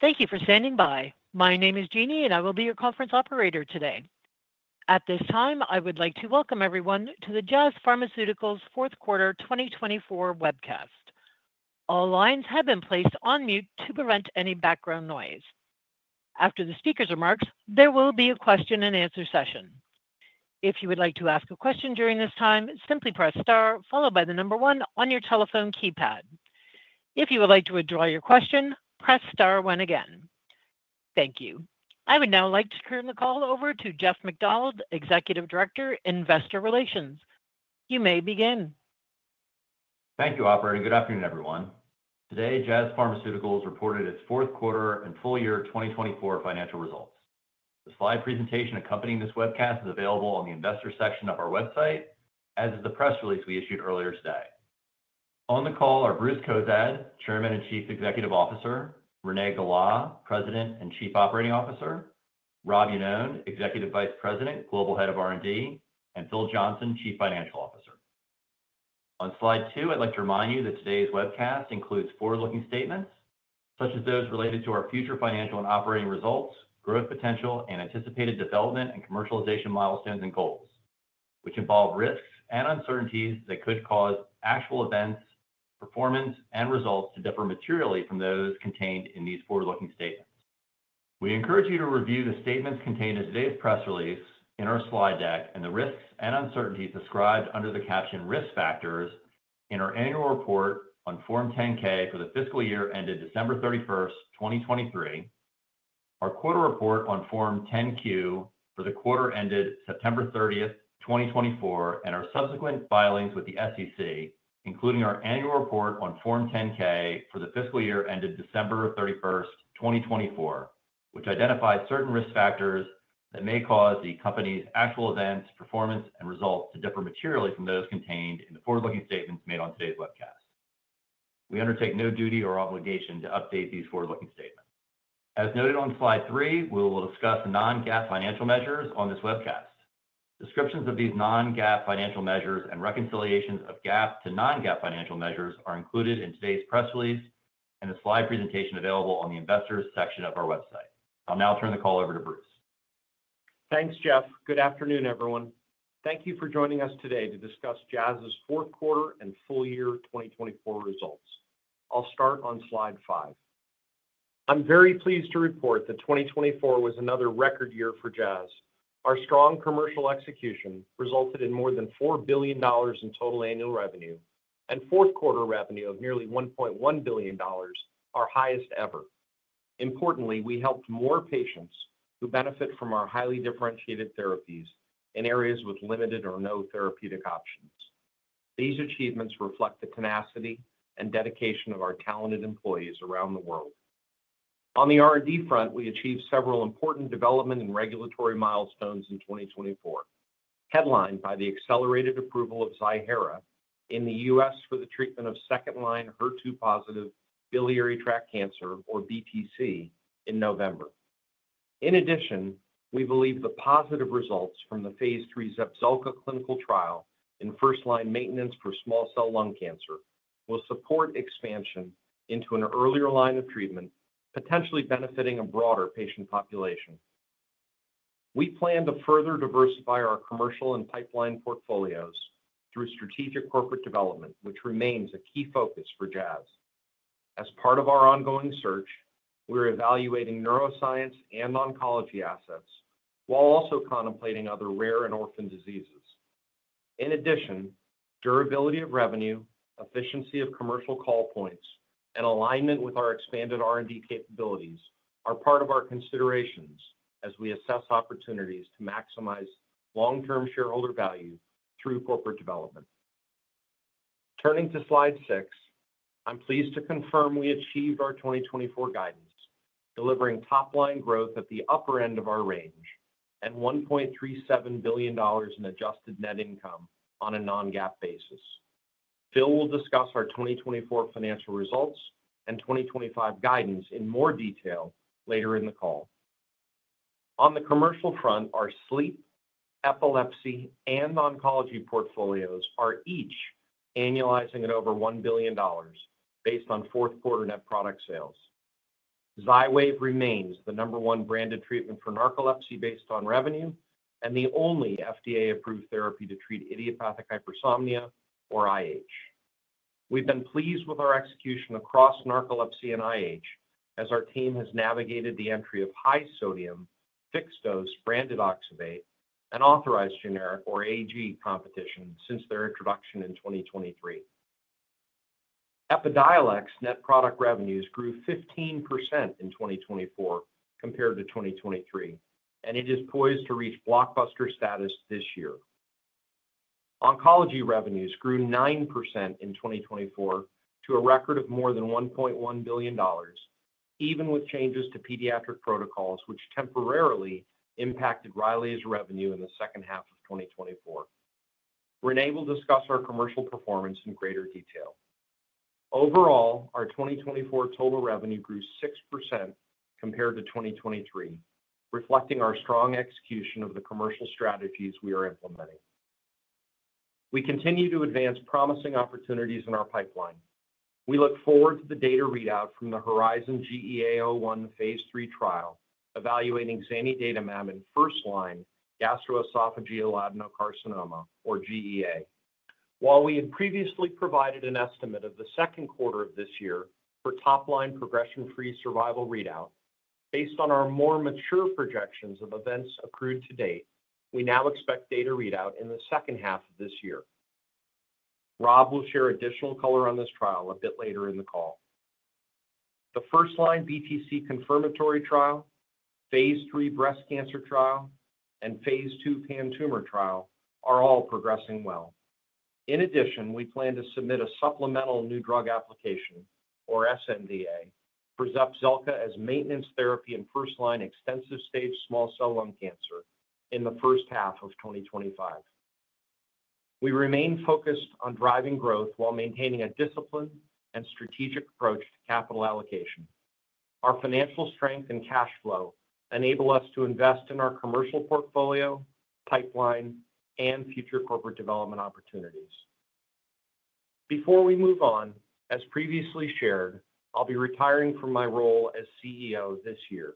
Thank you for standing by. My name is Jeannie, and I will be your conference operator today. At this time, I would like to welcome everyone to the Jazz Pharmaceuticals Fourth Quarter 2024 Webcast. All lines have been placed on mute to prevent any background noise. After the speaker's remarks, there will be a question and answer session. If you would like to ask a question during this time, simply press star, followed by the number one on your telephone keypad. If you would like to withdraw your question, press star one again. Thank you. I would now like to turn the call over to Jeff MacDonald, Executive Director, Investor Relations. You may begin. Thank you, Operator. Good afternoon, everyone. Today, Jazz Pharmaceuticals reported its Fourth Quarter and Full Year 2024 Financial Results. The slide presentation accompanying this webcast is available on the investor section of our website, as is the press release we issued earlier today. On the call are Bruce Cozadd, Chairman and Chief Executive Officer, Renee Gala, President and Chief Operating Officer, Rob Iannone, Executive Vice President, Global Head of R&D, and Phil Johnson, Chief Financial Officer. On slide two, I'd like to remind you that today's webcast includes forward-looking statements such as those related to our future financial and operating results, growth potential, and anticipated development and commercialization milestones and goals, which involve risks and uncertainties that could cause actual events, performance, and results to differ materially from those contained in these forward-looking statements. We encourage you to review the statements contained in today's press release, in our slide deck, and the risks and uncertainties described under the caption Risk Factors in our annual report on Form 10-K for the fiscal year ended December 31st, 2023, our quarterly report on Form 10-Q for the quarter ended September 30th, 2024, and our subsequent filings with the SEC, including our annual report on Form 10-K for the fiscal year ended December 31st, 2024, which identifies certain risk factors that may cause the company's actual events, performance, and results to differ materially from those contained in the forward-looking statements made on today's webcast. We undertake no duty or obligation to update these forward-looking statements. As noted on slide three, we will discuss non-GAAP financial measures on this webcast. Descriptions of these non-GAAP financial measures and reconciliations of GAAP to non-GAAP financial measures are included in today's press release and the slide presentation available on the investors' section of our website. I'll now turn the call over to Bruce. Thanks, Jeff. Good afternoon, everyone. Thank you for joining us today to discuss Jazz's Fourth Quarter and Full Year 2024 Results. I'll start on slide five. I'm very pleased to report that 2024 was another record year for Jazz. Our strong commercial execution resulted in more than $4 billion in total annual revenue, and fourth quarter revenue of nearly $1.1 billion, our highest ever. Importantly, we helped more patients who benefit from our highly differentiated therapies in areas with limited or no therapeutic options. These achievements reflect the tenacity and dedication of our talented employees around the world. On the R&D front, we achieved several important development and regulatory milestones in 2024, headlined by the accelerated approval of Ziihera in the U.S. for the treatment of second-line HER2-positive biliary tract cancer or BTC, in November. In addition, we believe the positive results from the Phase III Zepzelca clinical trial in first-line maintenance for small cell lung cancer will support expansion into an earlier line of treatment, potentially benefiting a broader patient population. We plan to further diversify our commercial and pipeline portfolios through strategic corporate development, which remains a key focus for Jazz. As part of our ongoing search, we're evaluating Neuroscience and Oncology assets while also contemplating other rare and orphan diseases. In addition, durability of revenue, efficiency of commercial call points, and alignment with our expanded R&D capabilities are part of our considerations as we assess opportunities to maximize long-term shareholder value through corporate development. Turning to slide six, I'm pleased to confirm we achieved our 2024 guidance, delivering top-line growth at the upper end of our range and $1.37 billion in adjusted net income on a non-GAAP basis. Phil will discuss our 2024 financial results and 2025 guidance in more detail later in the call. On the commercial front, our Sleep, Epilepsy, and Oncology Portfolios are each annualizing at over $1 billion based on fourth quarter net product sales. Xywav remains the number one branded treatment for narcolepsy based on revenue and the only FDA-approved therapy to treat idiopathic hypersomnia, or IH. We've been pleased with our execution across narcolepsy and IH as our team has navigated the entry of high sodium, fixed dose branded oxybate and authorized generic, or AG, competition since their introduction in 2023. Epidiolex net product revenues grew 15% in 2024 compared to 2023, and it is poised to reach blockbuster status this year. Oncology revenues grew 9% in 2024 to a record of more than $1.1 billion, even with changes to pediatric protocols, which temporarily impacted Rylaze revenue in the second half of 2024. Renee will discuss our commercial performance in greater detail. Overall, our 2024 total revenue grew 6% compared to 2023, reflecting our strong execution of the commercial strategies we are implementing. We continue to advance promising opportunities in our pipeline. We look forward to the data readout from the HERIZON-GEA-01 Phase III trial evaluating zanidatamab in first-line gastroesophageal adenocarcinoma, or GEA, while we had previously provided an estimate of the second quarter of this year for top-line progression-free survival readout. Based on our more mature projections of events accrued to date, we now expect data readout in the second half of this year. Rob will share additional color on this trial a bit later in the call. The first-line BTC confirmatory trial, Phase III Breast Cancer trial, and Phase II Pan-tumor trial are all progressing well. In addition, we plan to submit a supplemental new drug application, or sNDA, for Zepzelca as maintenance therapy in first-line extensive stage small cell lung cancer in the first half of 2025. We remain focused on driving growth while maintaining a disciplined and strategic approach to capital allocation. Our financial strength and cash flow enable us to invest in our commercial portfolio, pipeline, and future corporate development opportunities. Before we move on, as previously shared, I'll be retiring from my role as CEO this year.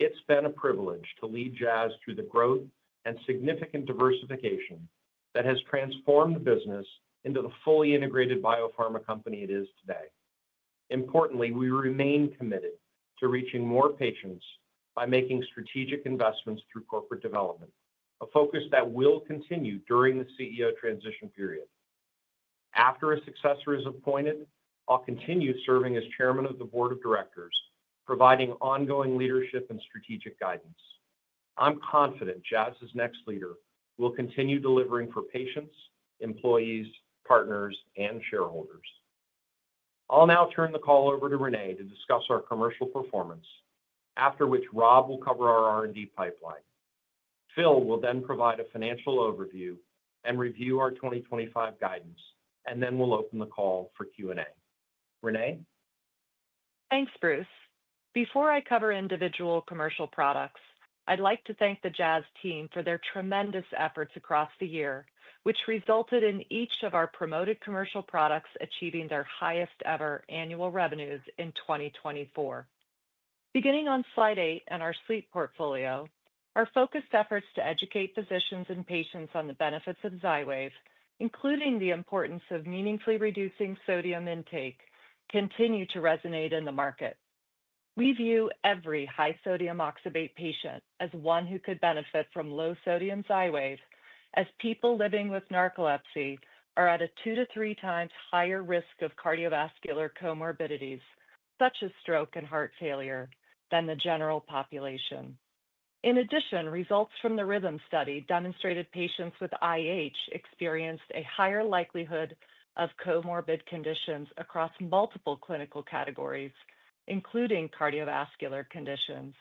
It's been a privilege to lead Jazz through the growth and significant diversification that has transformed the business into the fully integrated Biopharma company it is today. Importantly, we remain committed to reaching more patients by making strategic investments through corporate development, a focus that will continue during the CEO transition period. After a successor is appointed, I'll continue serving as Chairman of the Board of Directors, providing ongoing leadership and strategic guidance. I'm confident Jazz's next leader will continue delivering for patients, employees, partners, and shareholders. I'll now turn the call over to Renee to discuss our commercial performance, after which Rob will cover our R&D pipeline. Phil will then provide a financial overview and review our 2025 guidance, and then we'll open the call for Q&A. Renee? Thanks, Bruce. Before I cover individual commercial products, I'd like to thank the Jazz team for their tremendous efforts across the year, which resulted in each of our promoted commercial products achieving their highest-ever annual revenues in 2024. Beginning on slide eight and our Sleep Portfolio, our focused efforts to educate physicians and patients on the benefits of Xywav, including the importance of meaningfully reducing sodium intake, continue to resonate in the market. We view every high sodium oxybate patient as one who could benefit from low sodium Xywav, as people living with narcolepsy are at a two to three times higher risk of cardiovascular comorbidities such as stroke and heart failure than the general population. In addition, results from the RHYTHM Study demonstrated patients with IH experienced a higher likelihood of comorbid conditions across multiple clinical categories, including cardiovascular conditions.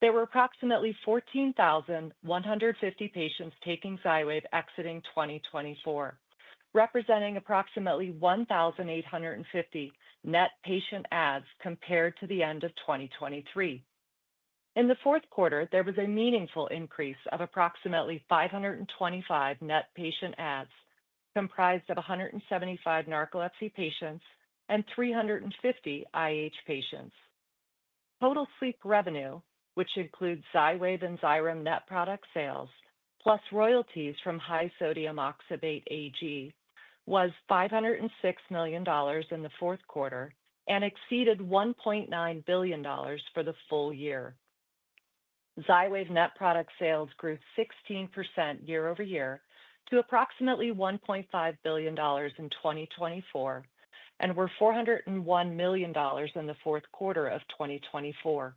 There were approximately 14,150 patients taking Xywav exiting 2024, representing approximately 1,850 net patient adds compared to the end of 2023. In the fourth quarter, there was a meaningful increase of approximately 525 net patient adds, comprised of 175 narcolepsy patients and 350 IH patients. Total Sleep revenue, which includes Xywav and Xyrem net product sales, plus royalties from high sodium oxybate AG, was $506 million in the fourth quarter and exceeded $1.9 billion for the full year. Xywav net product sales grew 16% year-over-year to approximately $1.5 billion in 2024 and were $401 million in the fourth quarter of 2024.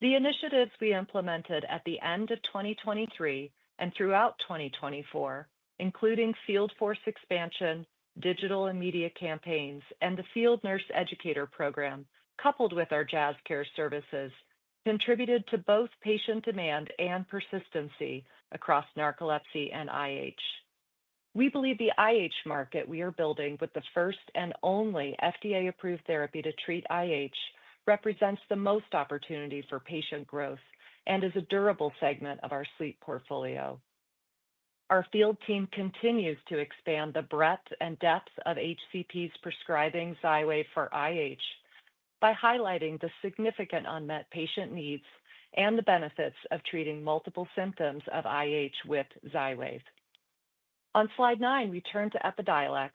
The initiatives we implemented at the end of 2023 and throughout 2024, including field force expansion, digital and media campaigns, and the Field Nurse Educator Program, coupled with our JazzCares services, contributed to both patient demand and persistency across narcolepsy and IH. We believe the IH market we are building with the first and only FDA-approved therapy to treat IH represents the most opportunity for patient growth and is a durable segment of our Sleep Portfolio. Our field team continues to expand the breadth and depth of HCPs prescribing Xywav for IH by highlighting the significant unmet patient needs and the benefits of treating multiple symptoms of IH with Xywav. On slide nine, we turn to Epidiolex,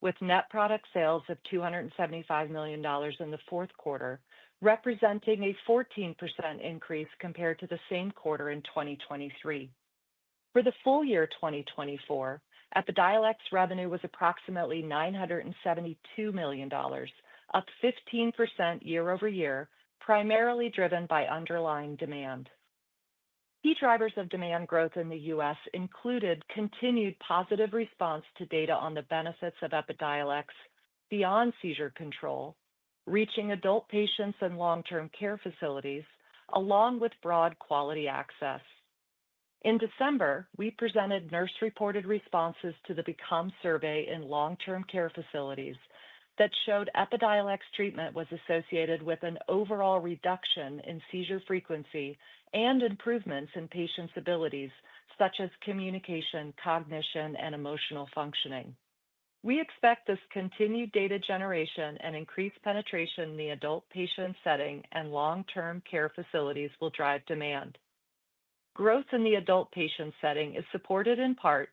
with net product sales of $275 million in the fourth quarter, representing a 14% increase compared to the same quarter in 2023. For the full year 2024, Epidiolex revenue was approximately $972 million, up 15% year-over-year, primarily driven by underlying demand. Key drivers of demand growth in the U.S. included continued positive response to data on the benefits of Epidiolex beyond seizure control, reaching adult patients and long-term care facilities, along with broad quality access. In December, we presented nurse-reported responses to the BECOME Survey in long-term care facilities that showed Epidiolex Treatment was associated with an overall reduction in seizure frequency and improvements in patients' abilities, such as communication, cognition, and emotional functioning. We expect this continued data generation and increased penetration in the adult patient setting and long-term care facilities will drive demand. Growth in the adult patient setting is supported in part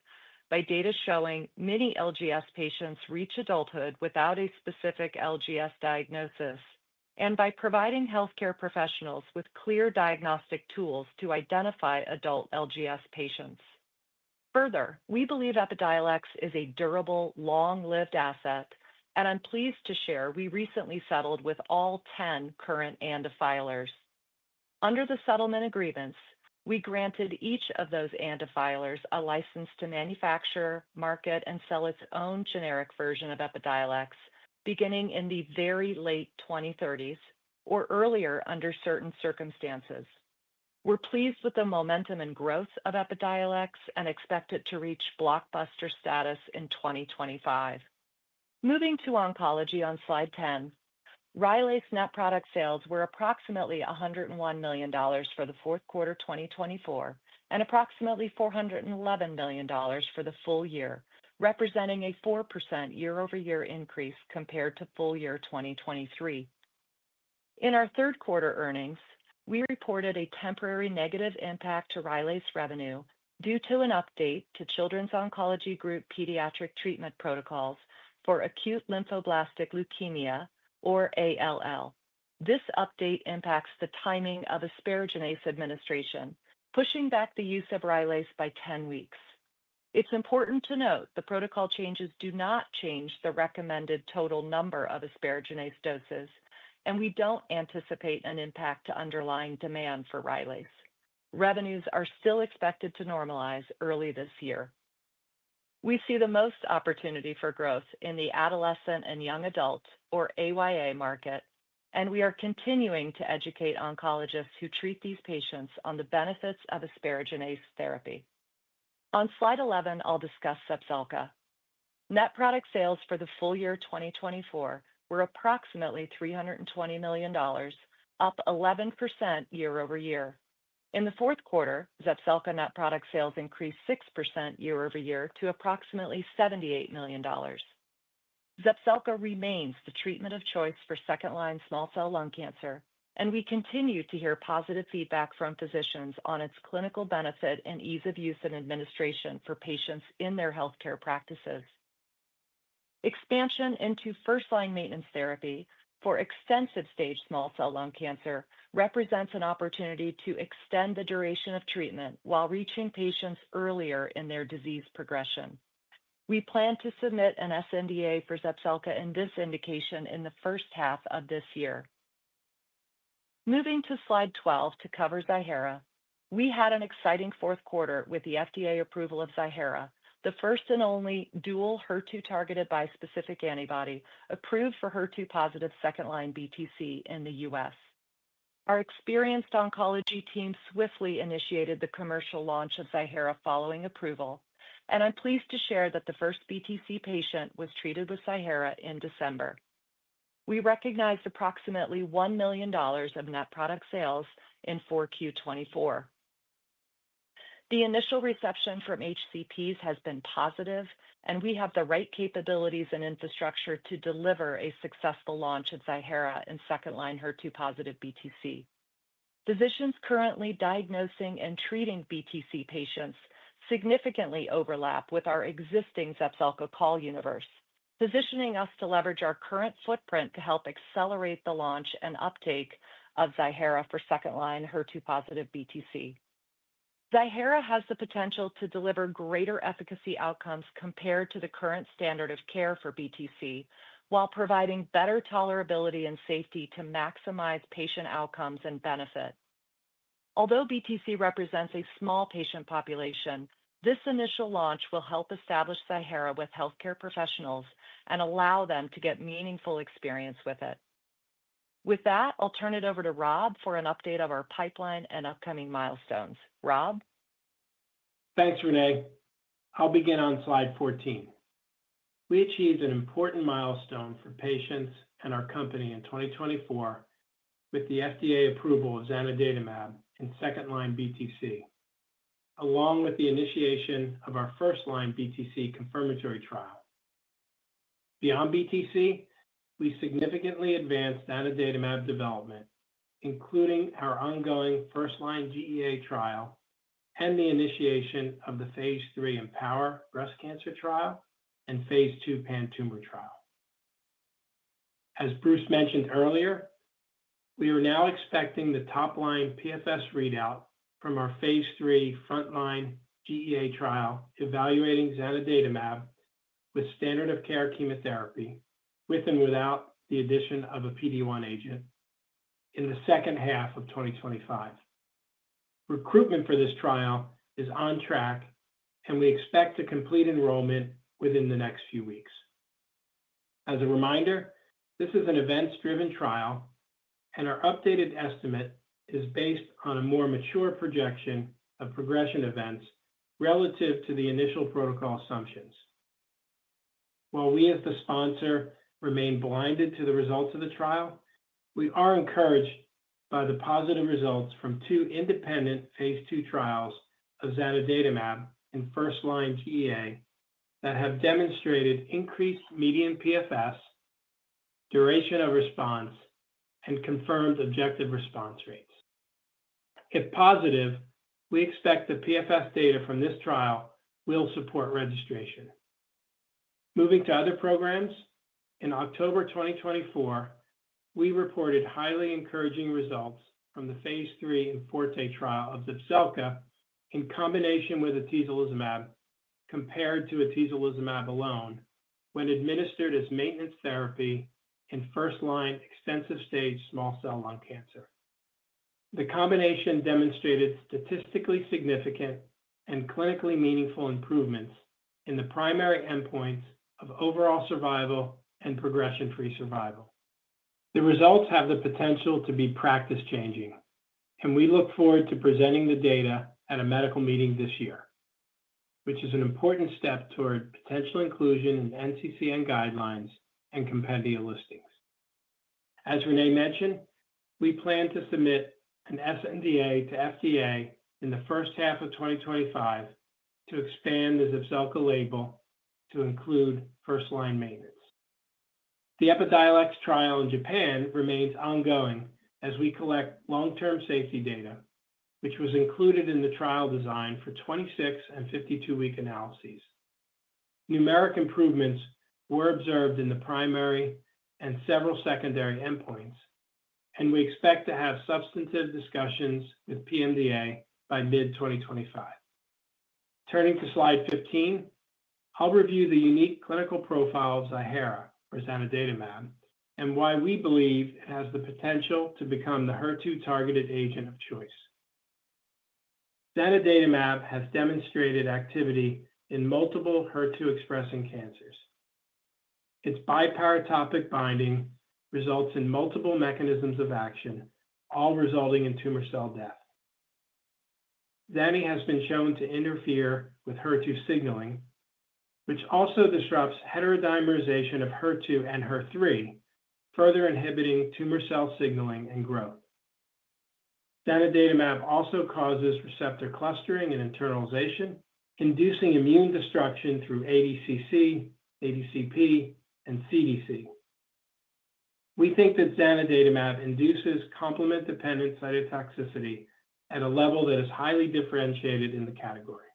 by data showing many LGS patients reach adulthood without a specific LGS diagnosis and by providing healthcare professionals with clear diagnostic tools to identify adult LGS patients. Further, we believe Epidiolex is a durable, long-lived asset, and I'm pleased to share we recently settled with all 10 current ANDA filers. Under the settlement agreements, we granted each of those ANDA filers a license to manufacture, market, and sell its own generic version of Epidiolex, beginning in the very late 2030s or earlier under certain circumstances. We're pleased with the momentum and growth of Epidiolex and expect it to reach blockbuster status in 2025. Moving to Oncology on slide 10, Rylaze's net product sales were approximately $101 million for the fourth quarter 2024 and approximately $411 million for the full year, representing a 4% year-over-year increase compared to full year 2023. In our third quarter earnings, we reported a temporary negative impact to Rylaze's revenue due to an update to Children's Oncology Group Pediatric Treatment protocols for acute lymphoblastic leukemia, or ALL. This update impacts the timing of asparaginase administration, pushing back the use of Rylaze's by 10 weeks. It's important to note the protocol changes do not change the recommended total number of asparaginase doses, and we don't anticipate an impact to underlying demand for Rylaze. Revenues are still expected to normalize early this year. We see the most opportunity for growth in the adolescent and young adult, or AYA market, and we are continuing to educate oncologists who treat these patients on the benefits of Asparaginase Therapy. On slide 11, I'll discuss Zepzelca. Net product sales for the full year 2024 were approximately $320 million, up 11% year-over-year. In the fourth quarter, Zepzelca net product sales increased 6% year-over-year to approximately $78 million. Zepzelca remains the treatment of choice for second-line small cell lung cancer, and we continue to hear positive feedback from physicians on its clinical benefit and ease of use and administration for patients in their healthcare practices. Expansion into first-line maintenance therapy for extensive stage small cell lung cancer represents an opportunity to extend the duration of treatment while reaching patients earlier in their disease progression. We plan to submit an sNDA for Zepzelca in this indication in the first half of this year. Moving to slide 12 to cover Ziihera, we had an exciting fourth quarter with the FDA approval of Ziihera, the first and only dual HER2 targeted bispecific antibody approved for HER2-positive second-line BTC in the U.S. Our experienced Oncology team swiftly initiated the commercial launch of Ziihera following approval, and I'm pleased to share that the first BTC patient was treated with Ziihera in December. We recognized approximately $1 million of net product sales in 4Q 2024. The initial reception from HCPs has been positive, and we have the right capabilities and infrastructure to deliver a successful launch of Ziihera in second-line HER2-positive BTC. Physicians currently diagnosing and treating BTC patients significantly overlap with our existing Zepzelca call universe, positioning us to leverage our current footprint to help accelerate the launch and uptake of Ziihera for second-line HER2-positive BTC. Ziihera has the potential to deliver greater efficacy outcomes compared to the current standard of care for BTC, while providing better tolerability and safety to maximize patient outcomes and benefit. Although BTC represents a small patient population, this initial launch will help establish Ziihera with healthcare professionals and allow them to get meaningful experience with it. With that, I'll turn it over to Rob for an update of our pipeline and upcoming milestones. Rob? Thanks, Renee. I'll begin on slide 14. We achieved an important milestone for patients and our company in 2024 with the FDA approval of zanidatamab in second-line BTC, along with the initiation of our first-line BTC confirmatory trial. Beyond BTC, we significantly advanced zanidatamab development, including our ongoing first-line GEA trial and the initiation of the Phase III EmpowHER Breast Cancer trial and Phase II Pan-tumor trial. As Bruce mentioned earlier, we are now expecting the top-line PFS readout from our phase III front-line GEA trial evaluating zanidatamab with standard of care chemotherapy with and without the addition of a PD-1 agent in the second half of 2025. Recruitment for this trial is on track, and we expect to complete enrollment within the next few weeks. As a reminder, this is an events-driven trial, and our updated estimate is based on a more mature projection of progression events relative to the initial protocol assumptions. While we as the sponsor remain blinded to the results of the trial, we are encouraged by the positive results from two independent Phase II trials of zanidatamab in first-line GEA that have demonstrated increased median PFS, duration of response, and confirmed objective response rates. If positive, we expect the PFS data from this trial will support registration. Moving to other programs, in October 2024, we reported highly encouraging results from the Phase III IMforte trial of Zepzelca in combination with atezolizumab compared to atezolizumab alone when administered as maintenance therapy in first-line extensive stage small cell lung cancer. The combination demonstrated statistically significant and clinically meaningful improvements in the primary endpoints of overall survival and progression-free survival. The results have the potential to be practice-changing, and we look forward to presenting the data at a medical meeting this year, which is an important step toward potential inclusion in NCCN guidelines and compendial listings. As Renee mentioned, we plan to submit an sNDA to FDA in the first half of 2025 to expand the Zepzelca label to include first-line maintenance. The Epidiolex trial in Japan remains ongoing as we collect long-term safety data, which was included in the trial design for 26- and 52-week analyses. Numeric improvements were observed in the primary and several secondary endpoints, and we expect to have substantive discussions with PMDA by mid-2025. Turning to slide 15, I'll review the unique clinical profile of Ziihera for zanidatamab and why we believe it has the potential to become the HER2-targeted agent of choice. Zanidatamab has demonstrated activity in multiple HER2-expressing cancers. Its biparatopic binding results in multiple mechanisms of action, all resulting in tumor cell death. Zanidatamab has been shown to interfere with HER2 signaling, which also disrupts heterodimerization of HER2 and HER3, further inhibiting tumor cell signaling and growth. Zanidatamab also causes receptor clustering and internalization, inducing immune destruction through ADCC, ADCP, and CDC. We think that zanidatamab induces complement-dependent cytotoxicity at a level that is highly differentiated in the category.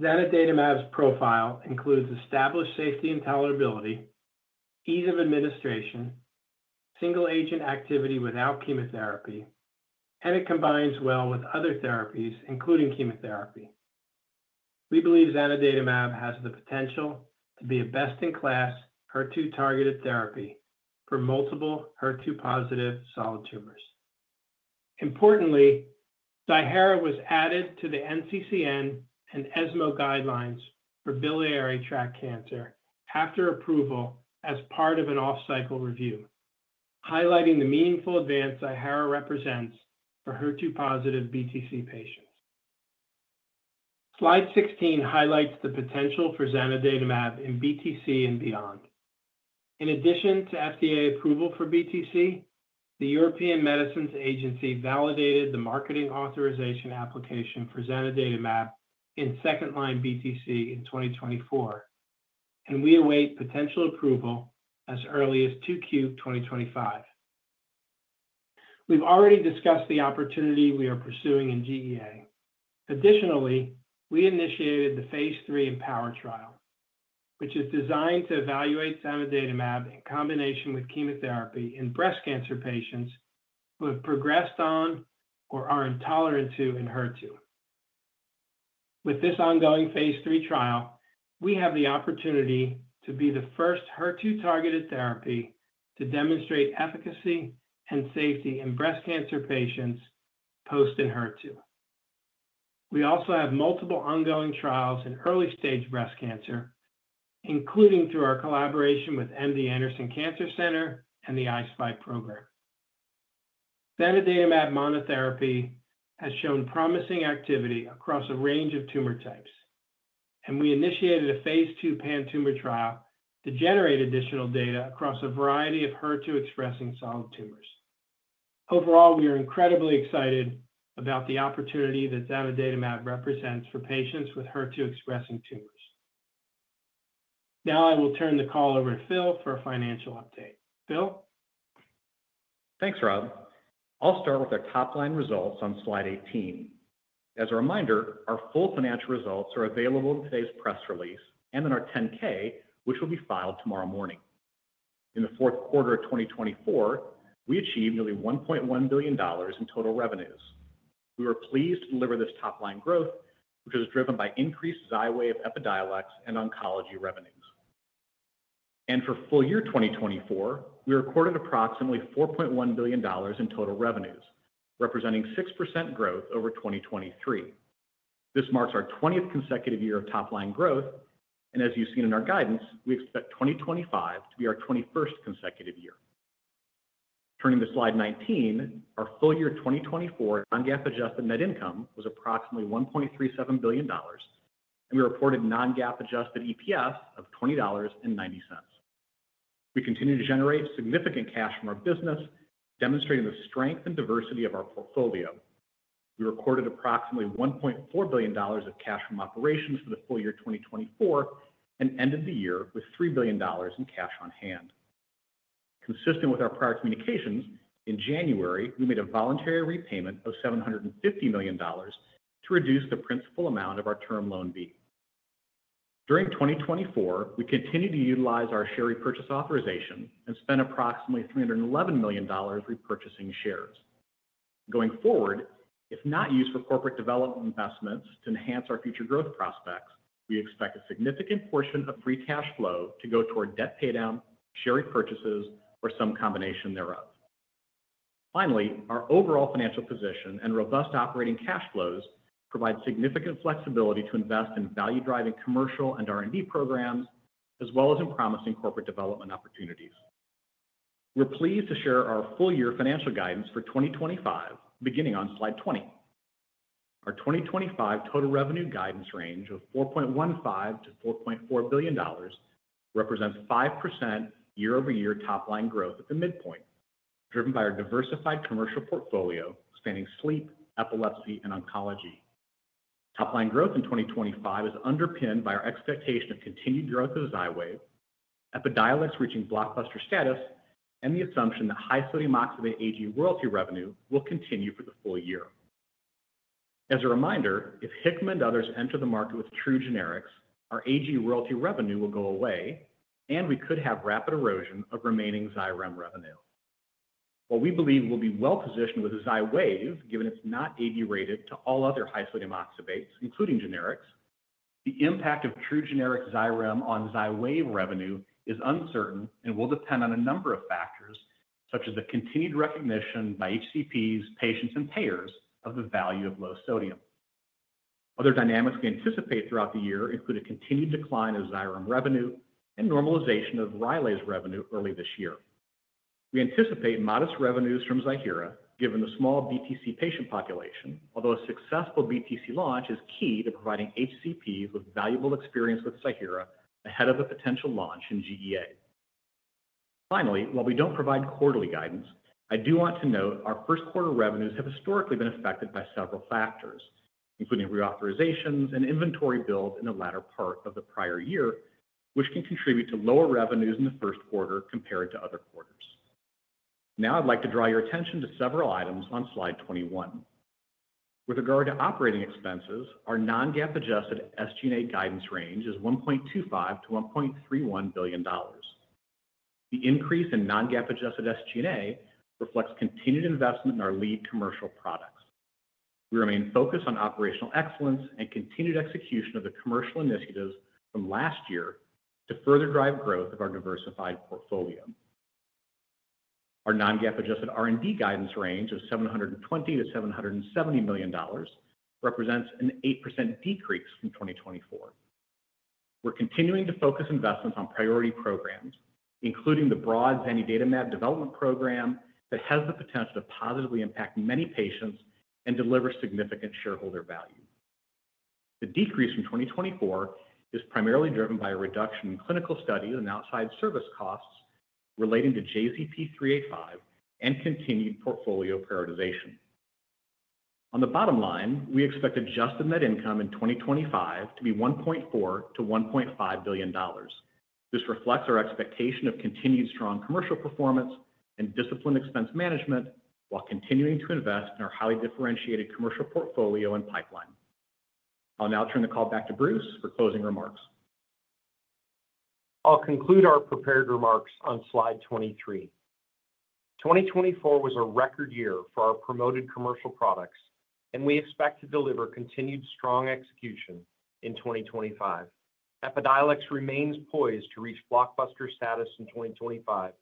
Zanidatamab's profile includes established safety and tolerability, ease of administration, single-agent activity without chemotherapy, and it combines well with other therapies, including chemotherapy. We believe zanidatamab has the potential to be a best-in-class HER2-targeted therapy for multiple HER2-positive solid tumors. Importantly, Ziihera was added to the NCCN and ESMO guidelines for biliary tract cancer after approval as part of an off-cycle review, highlighting the meaningful advance Ziihera represents for HER2-positive BTC patients. Slide 16 highlights the potential for zanidatamab in BTC and beyond. In addition to FDA approval for BTC, the European Medicines Agency validated the marketing authorization application for zanidatamab in second-line BTC in 2024, and we await potential approval as early as 2Q 2025. We've already discussed the opportunity we are pursuing in GEA. Additionally, we initiated the Phase III EmpowHER trial, which is designed to evaluate zanidatamab in combination with chemotherapy in breast cancer patients who have progressed on or are intolerant to an HER2. With this ongoing phase III trial, we have the opportunity to be the first HER2-targeted therapy to demonstrate efficacy and safety in breast cancer patients post and HER2. We also have multiple ongoing trials in early-stage breast cancer, including through our collaboration with MD Anderson Cancer Center and the I-SPY Program. Zanidatamab monotherapy has shown promising activity across a range of tumor types, and we initiated a Phase II Pan-tumor trial to generate additional data across a variety of HER2-expressing solid tumors. Overall, we are incredibly excited about the opportunity that Zanidatamab represents for patients with HER2 expressing tumors. Now I will turn the call over to Phil for a financial update. Phil? Thanks, Rob. I'll start with our top-line results on slide 18. As a reminder, our full financial results are available in today's press release and in our 10-K, which will be filed tomorrow morning. In the fourth quarter of 2024, we achieved nearly $1.1 billion in total revenues. We were pleased to deliver this top-line growth, which was driven by increased Xywav, Epidiolex and Oncology revenues. And for full year 2024, we recorded approximately $4.1 billion in total revenues, representing 6% growth over 2023. This marks our 20th consecutive year of top-line growth, and as you've seen in our guidance, we expect 2025 to be our 21st consecutive year. Turning to slide 19, our full year 2024 non-GAAP adjusted net income was approximately $1.37 billion, and we reported non-GAAP adjusted EPS of $20.90. We continue to generate significant cash from our business, demonstrating the strength and diversity of our portfolio. We recorded approximately $1.4 billion of cash from operations for the full year 2024 and ended the year with $3 billion in cash on hand. Consistent with our prior communications, in January, we made a voluntary repayment of $750 million to reduce the principal amount of our Term Loan B. During 2024, we continued to utilize our share repurchase authorization and spent approximately $311 million repurchasing shares. Going forward, if not used for corporate development investments to enhance our future growth prospects, we expect a significant portion of free cash flow to go toward debt paydown, share repurchases, or some combination thereof. Finally, our overall financial position and robust operating cash flows provide significant flexibility to invest in value-driving commercial and R&D programs, as well as in promising corporate development opportunities. We're pleased to share our full year financial guidance for 2025, beginning on slide 20. Our 2025 total revenue guidance range of $4.15 billion-$4.4 billion represents 5% year-over-year top-line growth at the midpoint, driven by our diversified commercial portfolio spanning Sleep, Epilepsy, and Oncology. Top-line growth in 2025 is underpinned by our expectation of continued growth of Xywav, Epidiolex reaching blockbuster status, and the assumption that high sodium oxybate AG royalty revenue will continue for the full year. As a reminder, if Hikma and others enter the market with true generics, our AG royalty revenue will go away, and we could have rapid erosion of remaining Xyrem revenue. While we believe we'll be well-positioned with Xywav, given it's not AG rated to all other high sodium oxybates, including generics, the impact of true generic Xyrem on Xywav revenue is uncertain and will depend on a number of factors, such as the continued recognition by HCPs, patients, and payers of the value of low sodium. Other dynamics we anticipate throughout the year include a continued decline of Xyrem revenue and normalization of Rylaze's revenue early this year. We anticipate modest revenues from Ziihera, given the small BTC patient population, although a successful BTC launch is key to providing HCPs with valuable experience with Ziihera ahead of a potential launch in GEA. Finally, while we don't provide quarterly guidance, I do want to note our first quarter revenues have historically been affected by several factors, including reauthorizations and inventory builds in the latter part of the prior year, which can contribute to lower revenues in the first quarter compared to other quarters. Now I'd like to draw your attention to several items on slide 21. With regard to operating expenses, our non-GAAP adjusted SG&A guidance range is $1.25 billion-$1.31 billion. The increase in non-GAAP adjusted SG&A reflects continued investment in our lead commercial products. We remain focused on operational excellence and continued execution of the commercial initiatives from last year to further drive growth of our diversified portfolio. Our non-GAAP adjusted R&D guidance range of $720 million-$770 million represents an 8% decrease from 2024. We're continuing to focus investments on priority programs, including the broad Zanidatamab Development Program that has the potential to positively impact many patients and deliver significant shareholder value. The decrease from 2024 is primarily driven by a reduction in clinical studies and outside service costs relating to JZP-385 and continued portfolio prioritization. On the bottom line, we expect adjusted net income in 2025 to be $1.4 billion-$1.5 billion. This reflects our expectation of continued strong commercial performance and disciplined expense management while continuing to invest in our highly differentiated commercial portfolio and pipeline. I'll now turn the call back to Bruce for closing remarks. I'll conclude our prepared remarks on slide 23. 2024 was a record year for our promoted commercial products, and we expect to deliver continued strong execution in 2025. Epidiolex remains poised to reach blockbuster status in 2025,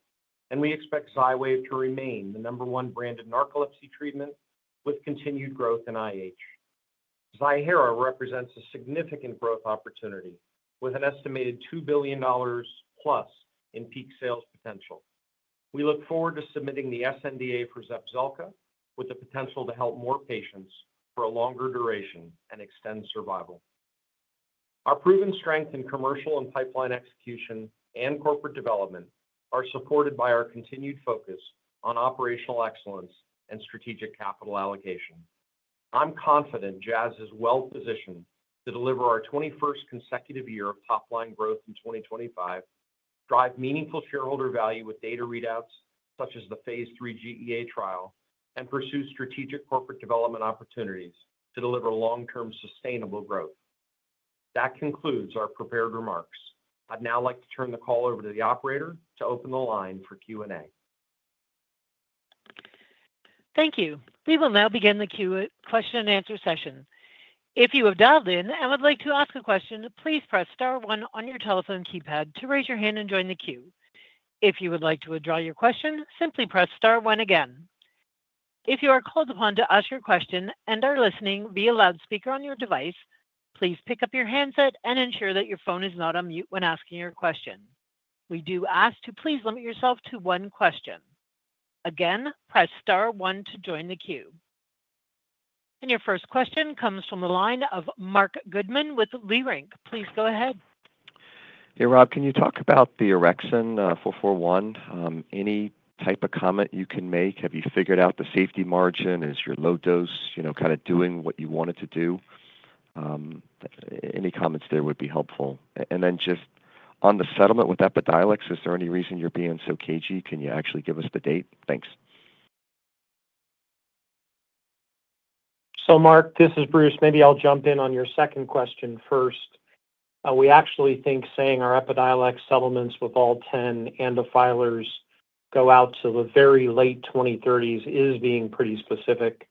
and we expect Xywav to remain the number one branded narcolepsy treatment with continued growth in IH. Ziihera represents a significant growth opportunity with an estimated $2 billion plus in peak sales potential. We look forward to submitting the sNDA for Zepzelca with the potential to help more patients for a longer duration and extend survival. Our proven strength in commercial and pipeline execution and corporate development are supported by our continued focus on operational excellence and strategic capital allocation. I'm confident Jazz is well-positioned to deliver our 21st consecutive year of top-line growth in 2025, drive meaningful shareholder value with data readouts such as the Phase III GEA Trial, and pursue strategic corporate development opportunities to deliver long-term sustainable growth. That concludes our prepared remarks. I'd now like to turn the call over to the operator to open the line for Q&A. Thank you. We will now begin the Q&A question and answer session. If you have dialed in and would like to ask a question, please press star one on your telephone keypad to raise your hand and join the queue. If you would like to withdraw your question, simply press star one again. If you are called upon to ask your question and are listening via loudspeaker on your device, please pick up your handset and ensure that your phone is not on mute when asking your question. We do ask to please limit yourself to one question. Again, press star one to join the queue. And your first question comes from the line of Marc Goodman with Leerink. Please go ahead. Hey, Rob, can you talk about the orexin 441? Any type of comment you can make? Have you figured out the safety margin? Is your low dose, you know, kind of doing what you want it to do? Any comments there would be helpful. And then just on the settlement with Epidiolex, is there any reason you're being so cagey? Can you actually give us the date? Thanks. So, Mark, this is Bruce. Maybe I'll jump in on your second question first. We actually think saying our Epidiolex settlements with all 10 ANDA filers go out to the very late 2030s is being pretty specific.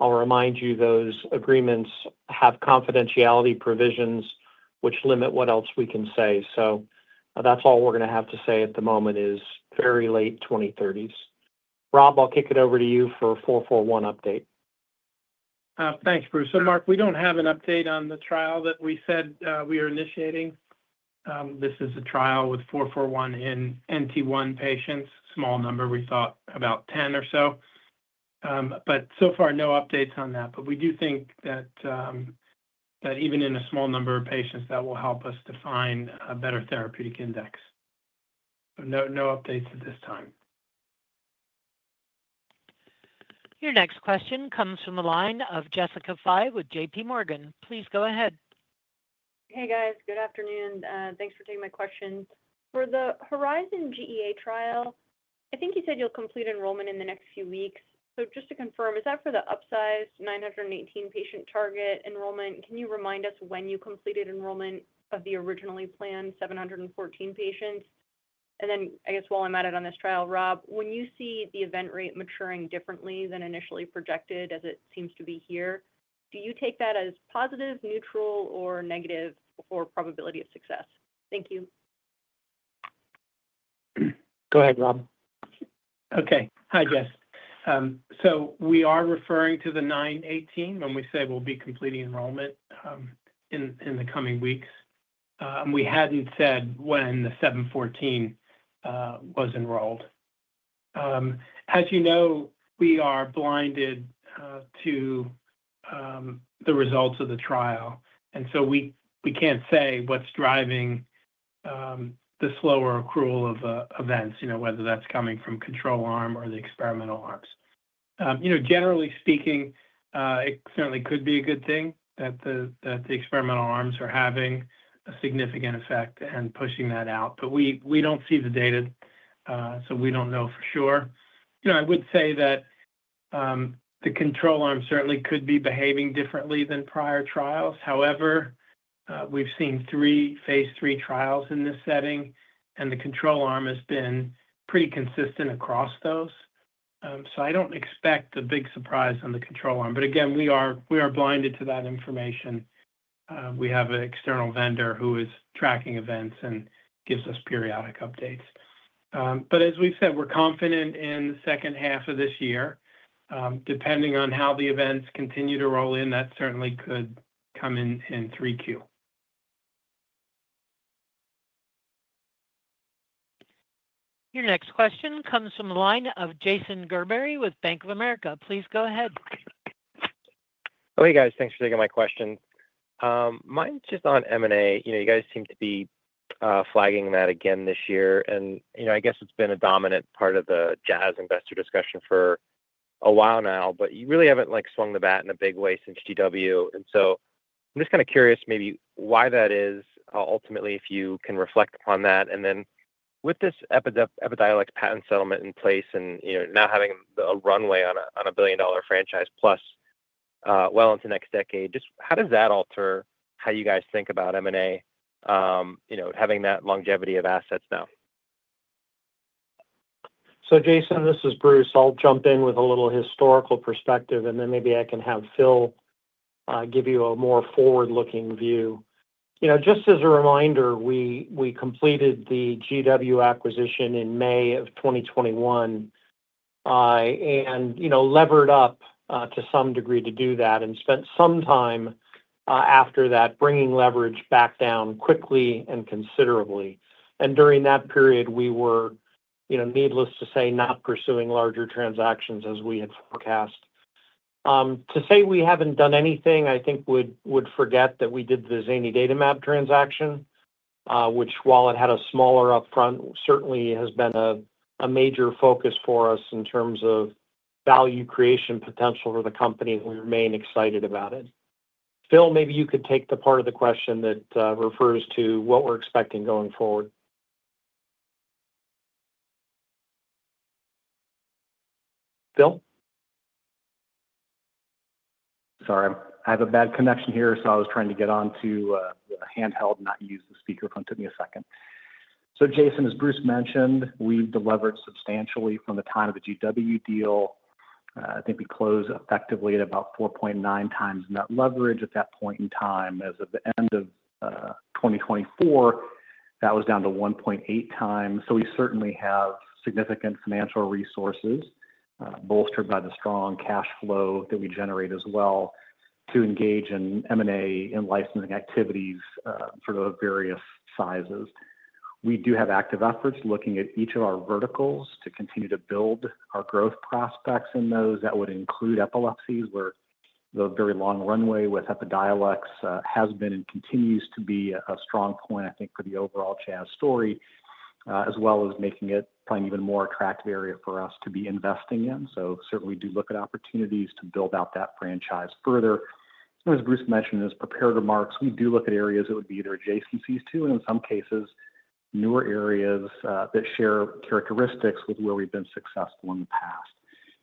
I'll remind you those agreements have confidentiality provisions, which limit what else we can say. So that's all we're going to have to say at the moment is very late 2030s. Rob, I'll kick it over to you for a 441 update. Thanks, Bruce. So, Mark, we don't have an update on the trial that we said we are initiating. This is a trial with 441 in NT1 patients, small number. We thought about 10 or so. But so far, no updates on that. But we do think that even in a small number of patients, that will help us define a better therapeutic index. But no updates at this time. Your next question comes from the line of Jessica Fye with JPMorgan. Please go ahead. Hey, guys. Good afternoon. Thanks for taking my question. For the HERIZON-GEA trial, I think you said you'll complete enrollment in the next few weeks. So just to confirm, is that for the upsized 918 patient target enrollment? Can you remind us when you completed enrollment of the originally planned 714 patients? And then I guess while I'm at it on this trial, Rob, when you see the event rate maturing differently than initially projected, as it seems to be here, do you take that as positive, neutral, or negative for probability of success? Thank you. Go ahead, Rob. Okay. Hi, Jess. So we are referring to the 918 when we say we'll be completing enrollment in the coming weeks. We hadn't said when the 714 was enrolled. As you know, we are blinded to the results of the trial. And so we can't say what's driving the slower accrual of events, you know, whether that's coming from control arm or the experimental arms. You know, generally speaking, it certainly could be a good thing that the experimental arms are having a significant effect and pushing that out. But we don't see the data, so we don't know for sure. You know, I would say that the control arm certainly could be behaving differently than prior trials. However, we've seen three Phase III trials in this setting, and the control arm has been pretty consistent across those. So I don't expect a big surprise on the control arm. But again, we are blinded to that information. We have an external vendor who is tracking events and gives us periodic updates. But as we've said, we're confident in the second half of this year. Depending on how the events continue to roll in, that certainly could come in 3Q. Your next question comes from the line of Jason Gerberry with Bank of America. Please go ahead. Hey, guys. Thanks for taking my question. Mine's just on M&A. You know, you guys seem to be flagging that again this year. And, you know, I guess it's been a dominant part of the Jazz Investor Discussion for a while now, but you really haven't like swung the bat in a big way since GW. And so I'm just kind of curious maybe why that is ultimately, if you can reflect upon that. And then with this Epidiolex patent settlement in place and, you know, now having a runway on a $1 billion franchise plus well into next decade, just how does that alter how you guys think about M&A, you know, having that longevity of assets now? Jason, this is Bruce. I'll jump in with a little historical perspective, and then maybe I can have Phil give you a more forward-looking view. You know, just as a reminder, we completed the GW acquisition in May of 2021 and, you know, levered up to some degree to do that and spent some time after that bringing leverage back down quickly and considerably. And during that period, we were, you know, needless to say, not pursuing larger transactions as we had forecast. To say we haven't done anything, I think would forget that we did the zanidatamab transaction, which, while it had a smaller upfront, certainly has been a major focus for us in terms of value creation potential for the company, and we remain excited about it. Phil, maybe you could take the part of the question that refers to what we're expecting going forward. Phil? Sorry. I have a bad connection here, so I was trying to get onto the handheld and not use the speakerphone. Took me a second. So, Jason, as Bruce mentioned, we've delivered substantially from the time of the GW deal. I think we closed effectively at about 4.9x net leverage at that point in time. As of the end of 2024, that was down to 1.8x. So we certainly have significant financial resources bolstered by the strong cash flow that we generate as well to engage in M&A and licensing activities for various sizes. We do have active efforts looking at each of our verticals to continue to build our growth prospects in those. That would include epilepsies, where the very long runway with Epidiolex has been and continues to be a strong point, I think, for the overall Jazz story, as well as making it probably an even more attractive area for us to be investing in. So certainly, we do look at opportunities to build out that franchise further. And as Bruce mentioned in his prepared remarks, we do look at areas that would be either adjacencies to, and in some cases, newer areas that share characteristics with where we've been successful in the past.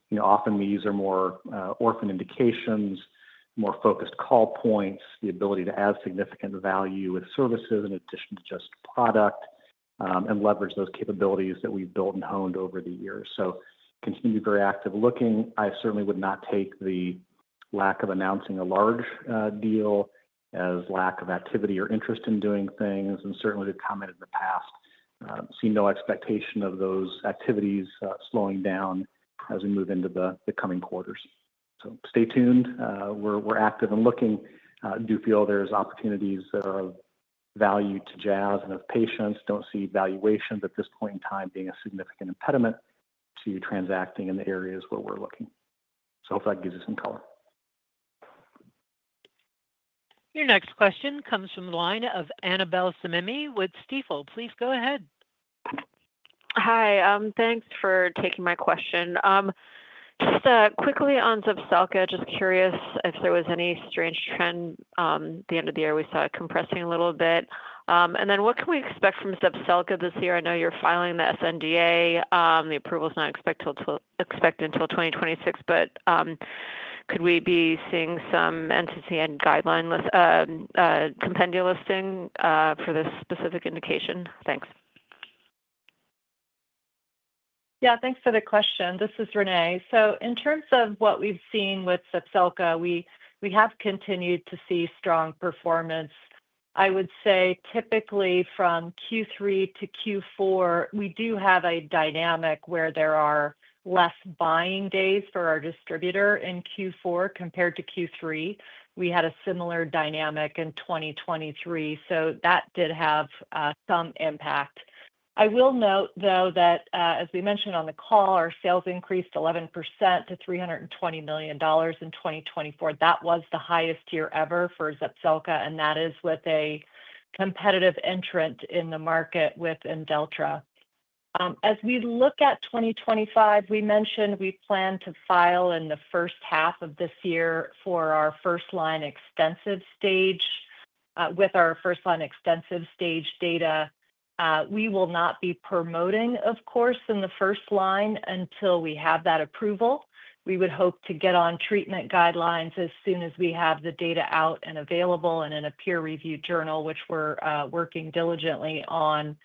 You know, often these are more orphan indications, more focused call points, the ability to add significant value with services in addition to just product and leverage those capabilities that we've built and honed over the years. So continue to be very active looking. I certainly would not take the lack of announcing a large deal as lack of activity or interest in doing things, and certainly, we've commented in the past, see no expectation of those activities slowing down as we move into the coming quarters, so stay tuned. We're active and looking. Do feel there's opportunities of value to Jazz and of patients. Don't see valuations at this point in time being a significant impediment to transacting in the areas where we're looking, so hopefully that gives you some color. Your next question comes from the line of Annabel Samimy with Stifel. Please go ahead. Hi. Thanks for taking my question. Just quickly on Zepzelca, just curious if there was any strange trend. At the end of the year, we saw it compressing a little bit. And then what can we expect from Zepzelca this year? I know you're filing the sNDA. The approval is not expected until 2026, but could we be seeing some NCCN and guideline compendia listing for this specific indication? Thanks. Yeah. Thanks for the question. This is Renee, so in terms of what we've seen with Zepzelca, we have continued to see strong performance. I would say typically from Q3 to Q4, we do have a dynamic where there are less buying days for our distributor in Q4 compared to Q3. We had a similar dynamic in 2023, so that did have some impact. I will note, though, that as we mentioned on the call, our sales increased 11% to $320 million in 2024. That was the highest year ever for Zepzelca, and that is with a competitive entrant in the market, Imdelltra. As we look at 2025, we mentioned we plan to file in the first half of this year for our first line extensive stage. With our first line extensive stage data, we will not be promoting, of course, in the first line until we have that approval. We would hope to get on treatment guidelines as soon as we have the data out and available and in a peer-reviewed journal, which we're working diligently on.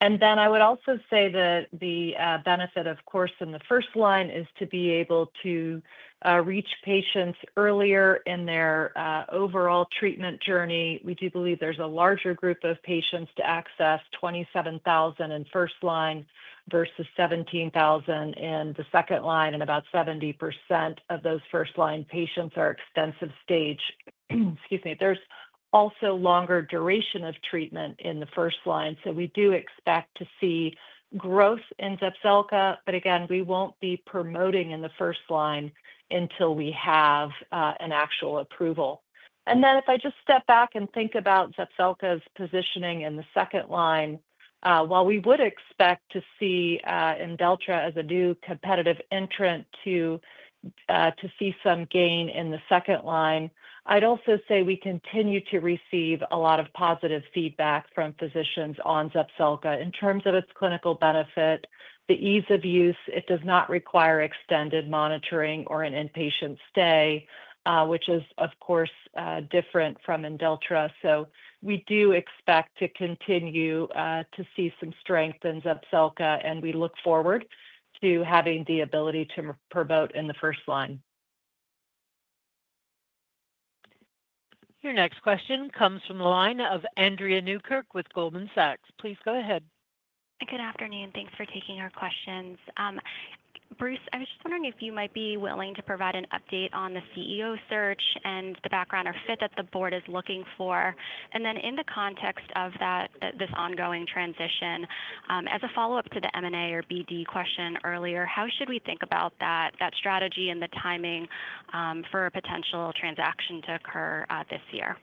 And then I would also say that the benefit, of course, in the first line is to be able to reach patients earlier in their overall treatment journey. We do believe there's a larger group of patients to access 27,000 in first line versus 17,000 in the second line, and about 70% of those first line patients are extensive stage. Excuse me. There's also longer duration of treatment in the first line. So we do expect to see growth in Zepzelca, but again, we won't be promoting in the first line until we have an actual approval. And then if I just step back and think about Zepzelca's positioning in the second line, while we would expect to see Imdelltra as a new competitive entrant to see some gain in the second line, I'd also say we continue to receive a lot of positive feedback from physicians on Zepzelca in terms of its clinical benefit, the ease of use. It does not require extended monitoring or an inpatient stay, which is, of course, different from Imdelltra. So we do expect to continue to see some strength in Zepzelca, and we look forward to having the ability to promote in the first line. Your next question comes from the line of Andrea Newkirk with Goldman Sachs. Please go ahead. Good afternoon. Thanks for taking our questions. Bruce, I was just wondering if you might be willing to provide an update on the CEO search and the background or fit that the board is looking for. And then in the context of this ongoing transition, as a follow up to the M&A or BD question earlier, how should we think about that strategy and the timing for a potential transaction to occur this year?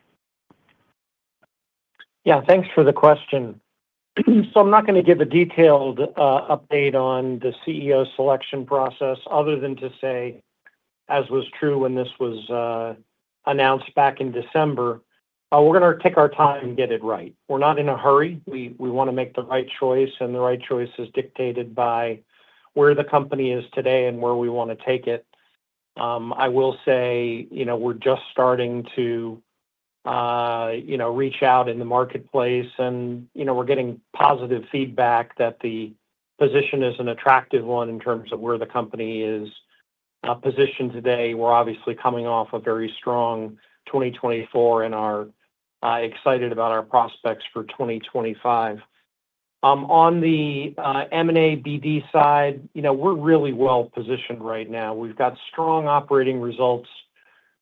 Yeah. Thanks for the question. So I'm not going to give a detailed update on the CEO selection process other than to say, as was true when this was announced back in December, we're going to take our time and get it right. We're not in a hurry. We want to make the right choice, and the right choice is dictated by where the company is today and where we want to take it. I will say, you know, we're just starting to, you know, reach out in the marketplace, and, you know, we're getting positive feedback that the position is an attractive one in terms of where the company is positioned today. We're obviously coming off a very strong 2024, and we're excited about our prospects for 2025. On the M&A BD side, you know, we're really well positioned right now. We've got strong operating results.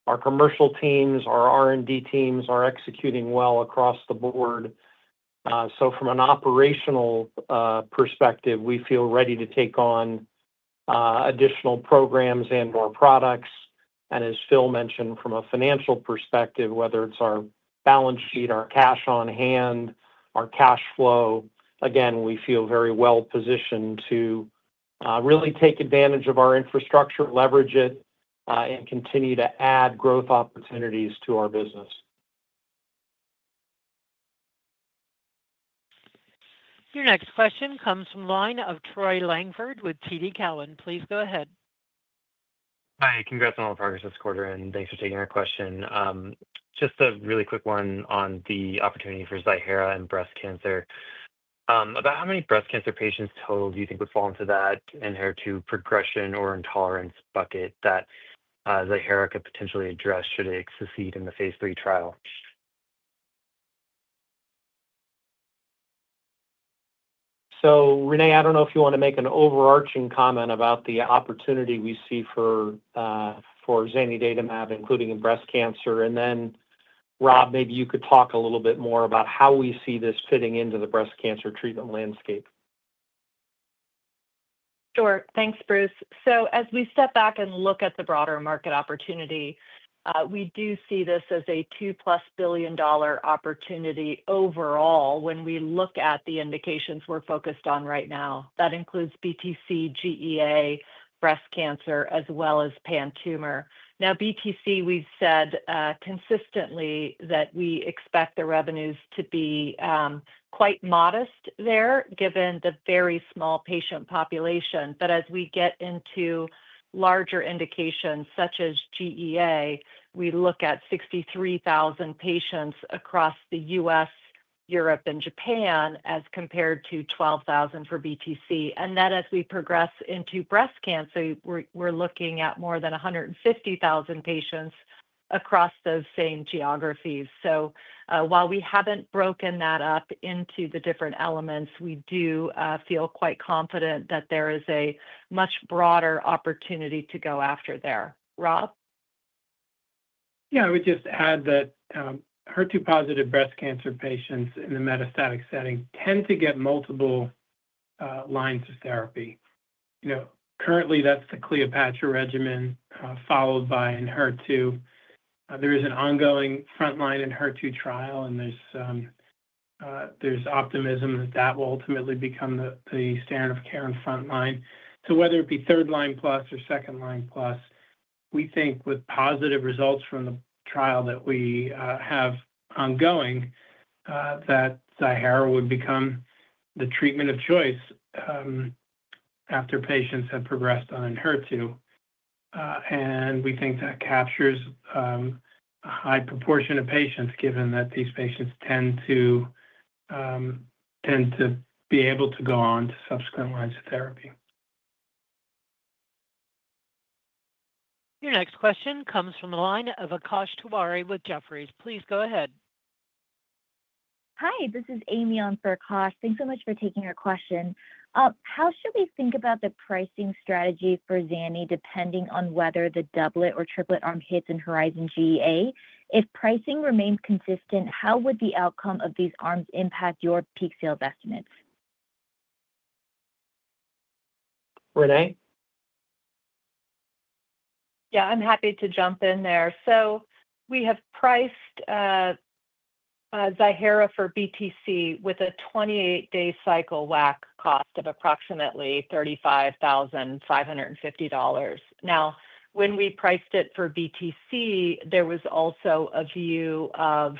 Our commercial teams, our R&D teams are executing well across the board, so from an operational perspective, we feel ready to take on additional programs and more products, and as Phil mentioned, from a financial perspective, whether it's our balance sheet, our cash on hand, our cash flow, again, we feel very well positioned to really take advantage of our infrastructure, leverage it, and continue to add growth opportunities to our business. Your next question comes from the line of Troy Langford with TD Cowen. Please go ahead. Hi. Congrats on all the progress this quarter, and thanks for taking our question. Just a really quick one on the opportunity for Ziihera and breast cancer. About how many breast cancer patients total do you think would fall into that HER2 to progression or intolerance bucket that Ziihera could potentially address should it succeed in the Phase III trial? So Renee, I don't know if you want to make an overarching comment about the opportunity we see for zanidatamab, including in breast cancer. And then, Rob, maybe you could talk a little bit more about how we see this fitting into the breast cancer treatment landscape. Sure. Thanks, Bruce. So as we step back and look at the broader market opportunity, we do see this as a $2 billion+ opportunity overall when we look at the indications we're focused on right now. That includes BTC, GEA, breast cancer, as well as pan tumor. Now, BTC, we've said consistently that we expect the revenues to be quite modest there given the very small patient population. But as we get into larger indications such as GEA, we look at 63,000 patients across the U.S., Europe, and Japan as compared to 12,000 for BTC. And then as we progress into breast cancer, we're looking at more than 150,000 patients across those same geographies. So while we haven't broken that up into the different elements, we do feel quite confident that there is a much broader opportunity to go after there. Rob? Yeah. I would just add that HER2-positive breast cancer patients in the metastatic setting tend to get multiple lines of therapy. You know, currently, that's the CLEOPATRA regimen followed by an HER2. There is an ongoing front line in HER2 trial, and there's optimism that that will ultimately become the standard-of-care and front line. So whether it be third line plus or second line plus, we think with positive results from the trial that we have ongoing, that Ziihera would become the treatment of choice after patients have progressed on an HER2. And we think that captures a high proportion of patients given that these patients tend to be able to go on to subsequent lines of therapy. Your next question comes from the line of Akash Tewari with Jefferies. Please go ahead. Hi. This is Amy on for Akash. Thanks so much for taking our question. How should we think about the pricing strategy for zanidatamab depending on whether the doublet or triplet arm hits in HERIZON-GEA? If pricing remains consistent, how would the outcome of these arms impact your peak sales estimates? Renee? Yeah. I'm happy to jump in there. So we have priced Ziihera for BTC with a 28-day cycle WAC cost of approximately $35,550. Now, when we priced it for BTC, there was also a view of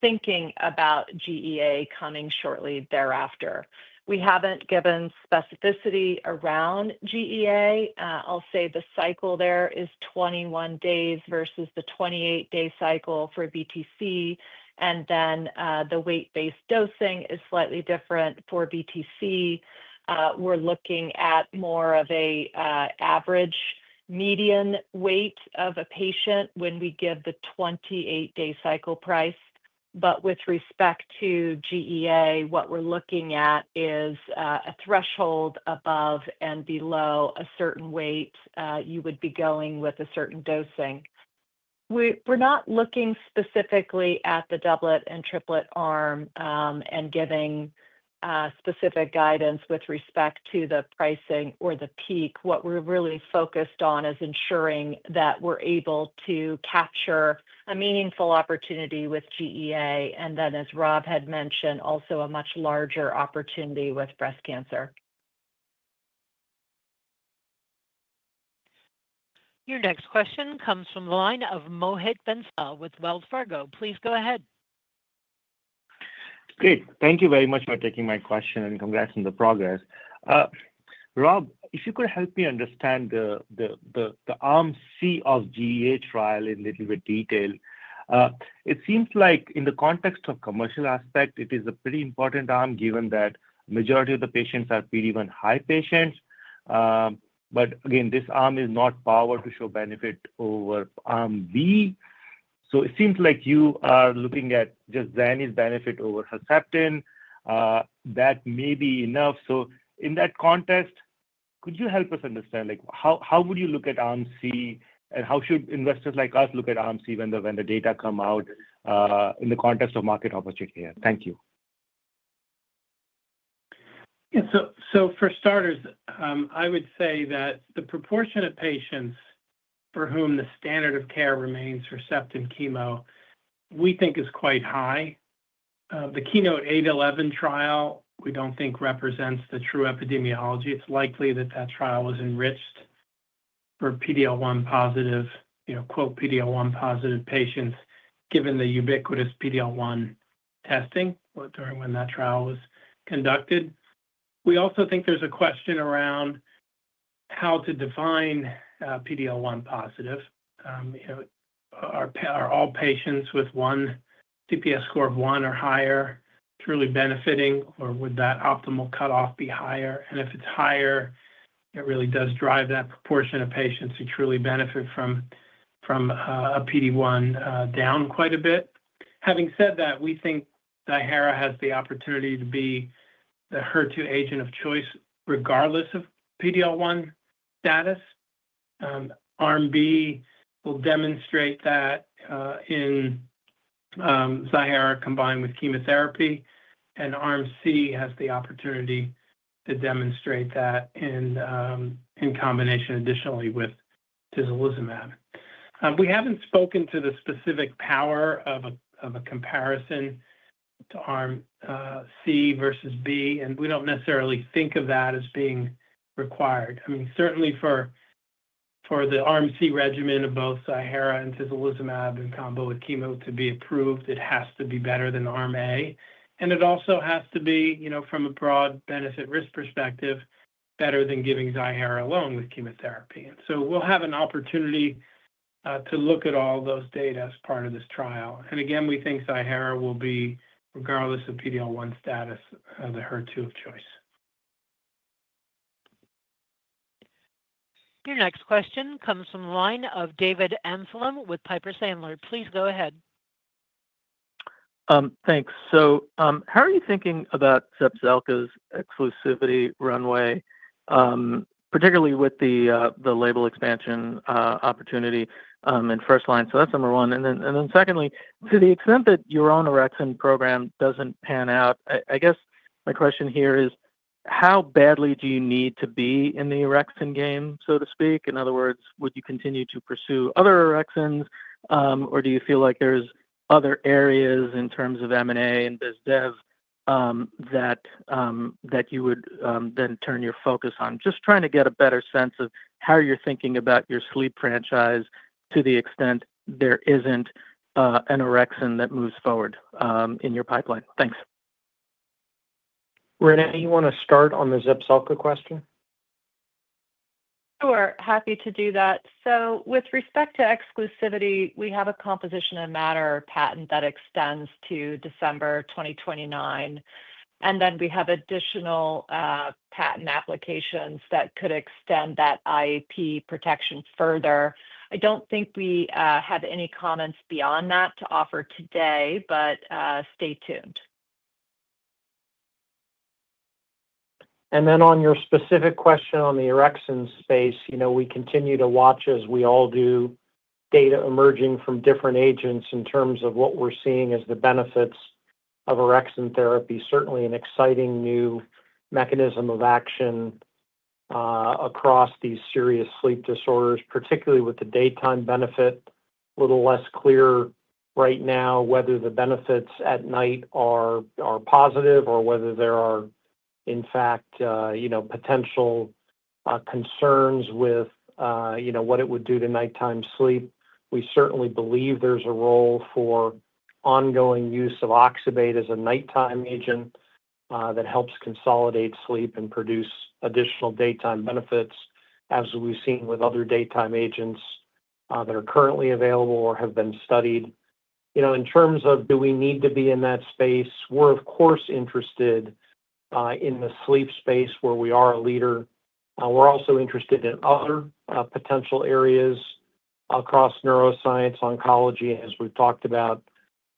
thinking about GEA coming shortly thereafter. We haven't given specificity around GEA. I'll say the cycle there is 21 days versus the 28-day cycle for BTC. And then the weight-based dosing is slightly different for BTC. We're looking at more of an average median weight of a patient when we give the 28-day cycle price. But with respect to GEA, what we're looking at is a threshold above and below a certain weight you would be going with a certain dosing. We're not looking specifically at the doublet and triplet arm and giving specific guidance with respect to the pricing or the peak. What we're really focused on is ensuring that we're able to capture a meaningful opportunity with GEA and then, as Rob had mentioned, also a much larger opportunity with breast cancer. Your next question comes from the line of Mohit Bansal with Wells Fargo. Please go ahead. Great. Thank you very much for taking my question and congrats on the progress. Rob, if you could help me understand the Arm C of GEA trial in a little bit detail, it seems like in the context of commercial aspect, it is a pretty important Arm given that the majority of the patients are PD-1 high patients. But again, this Arm is not powered to show benefit over Arm B. So it seems like you are looking at just zanidatamab's benefit over Herceptin. That may be enough. So in that context, could you help us understand how would you look at Arm C and how should investors like us look at Arm C when the data come out in the context of market opportunity? Thank you. Yeah. So for starters, I would say that the proportion of patients for whom the standard of care remains Herceptin chemo, we think, is quite high. The KEYNOTE-811 Trial, we don't think, represents the true epidemiology. It's likely that that trial was enriched for PD-L1 positive, quote, "PD-L1 positive patients," given the ubiquitous PD-L1 testing during when that trial was conducted. We also think there's a question around how to define PD-L1 positive. Are all patients with one CPS score of one or higher truly benefiting, or would that optimal cutoff be higher? And if it's higher, it really does drive that proportion of patients who truly benefit from a PD-1 down quite a bit. Having said that, we think Ziihera has the opportunity to be the HER2 agent of choice regardless of PD-L1 status. Arm B will demonstrate that in Ziihera combined with chemotherapy, and Arm C has the opportunity to demonstrate that in combination additionally with tislelizumab. We haven't spoken to the specific power of a comparison to Arm C versus B, and we don't necessarily think of that as being required. I mean, certainly for the Arm C regimen of both Ziihera and tislelizumab in combo with chemo to be approved, it has to be better than Arm A. And it also has to be, from a broad benefit-risk perspective, better than giving Ziihera alone with chemotherapy. And so we'll have an opportunity to look at all those data as part of this trial. And again, we think Ziihera will be, regardless of PD-L1 status, the HER2 of choice. Your next question comes from the line of David Amsellem with Piper Sandler. Please go ahead. Thanks. So how are you thinking about Zepzelca's exclusivity runway, particularly with the label expansion opportunity in first line? So that's number one. And then secondly, to the extent that your own orexin program doesn't pan out, I guess my question here is, how badly do you need to be in the orexin game, so to speak? In other words, would you continue to pursue other orexin, or do you feel like there's other areas in terms of M&A and Biz Dev that you would then turn your focus on, just trying to get a better sense of how you're thinking about your Sleep franchise to the extent there isn't an orexin that moves forward in your pipeline? Thanks. Renee, you want to start on the Zepzelca question? Sure. Happy to do that. So with respect to exclusivity, we have a composition of matter patent that extends to December 2029. And then we have additional patent applications that could extend that [IEP] protection further. I don't think we have any comments beyond that to offer today, but stay tuned. And then on your specific question on the orexin space, you know, we continue to watch, as we all do, data emerging from different agents in terms of what we're seeing as the benefits of orexin therapy. Certainly an exciting new mechanism of action across these serious sleep disorders, particularly with the daytime benefit. A little less clear right now whether the benefits at night are positive or whether there are, in fact, you know, potential concerns with, you know, what it would do to nighttime sleep. We certainly believe there's a role for ongoing use of oxybate as a nighttime agent that helps consolidate sleep and produce additional daytime benefits, as we've seen with other daytime agents that are currently available or have been studied. You know, in terms of do we need to be in that space, we're, of course, interested in the Sleep space where we are a leader. We're also interested in other potential areas across Neuroscience, Oncology, as we've talked about,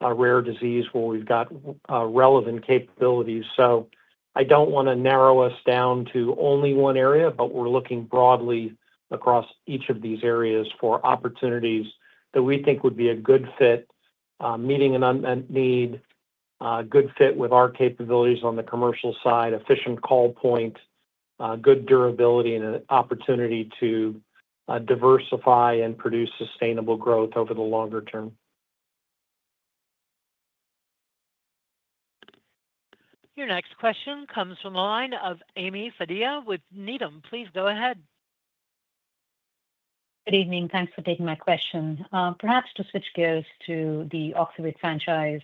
rare disease where we've got relevant capabilities. So I don't want to narrow us down to only one area, but we're looking broadly across each of these areas for opportunities that we think would be a good fit, meeting an unmet need, a good fit with our capabilities on the commercial side, efficient call point, good durability, and an opportunity to diversify and produce sustainable growth over the longer term. Your next question comes from the line of Ami Fadia with Needham. Please go ahead. Good evening. Thanks for taking my question. Perhaps to switch gears to the oxybate franchise,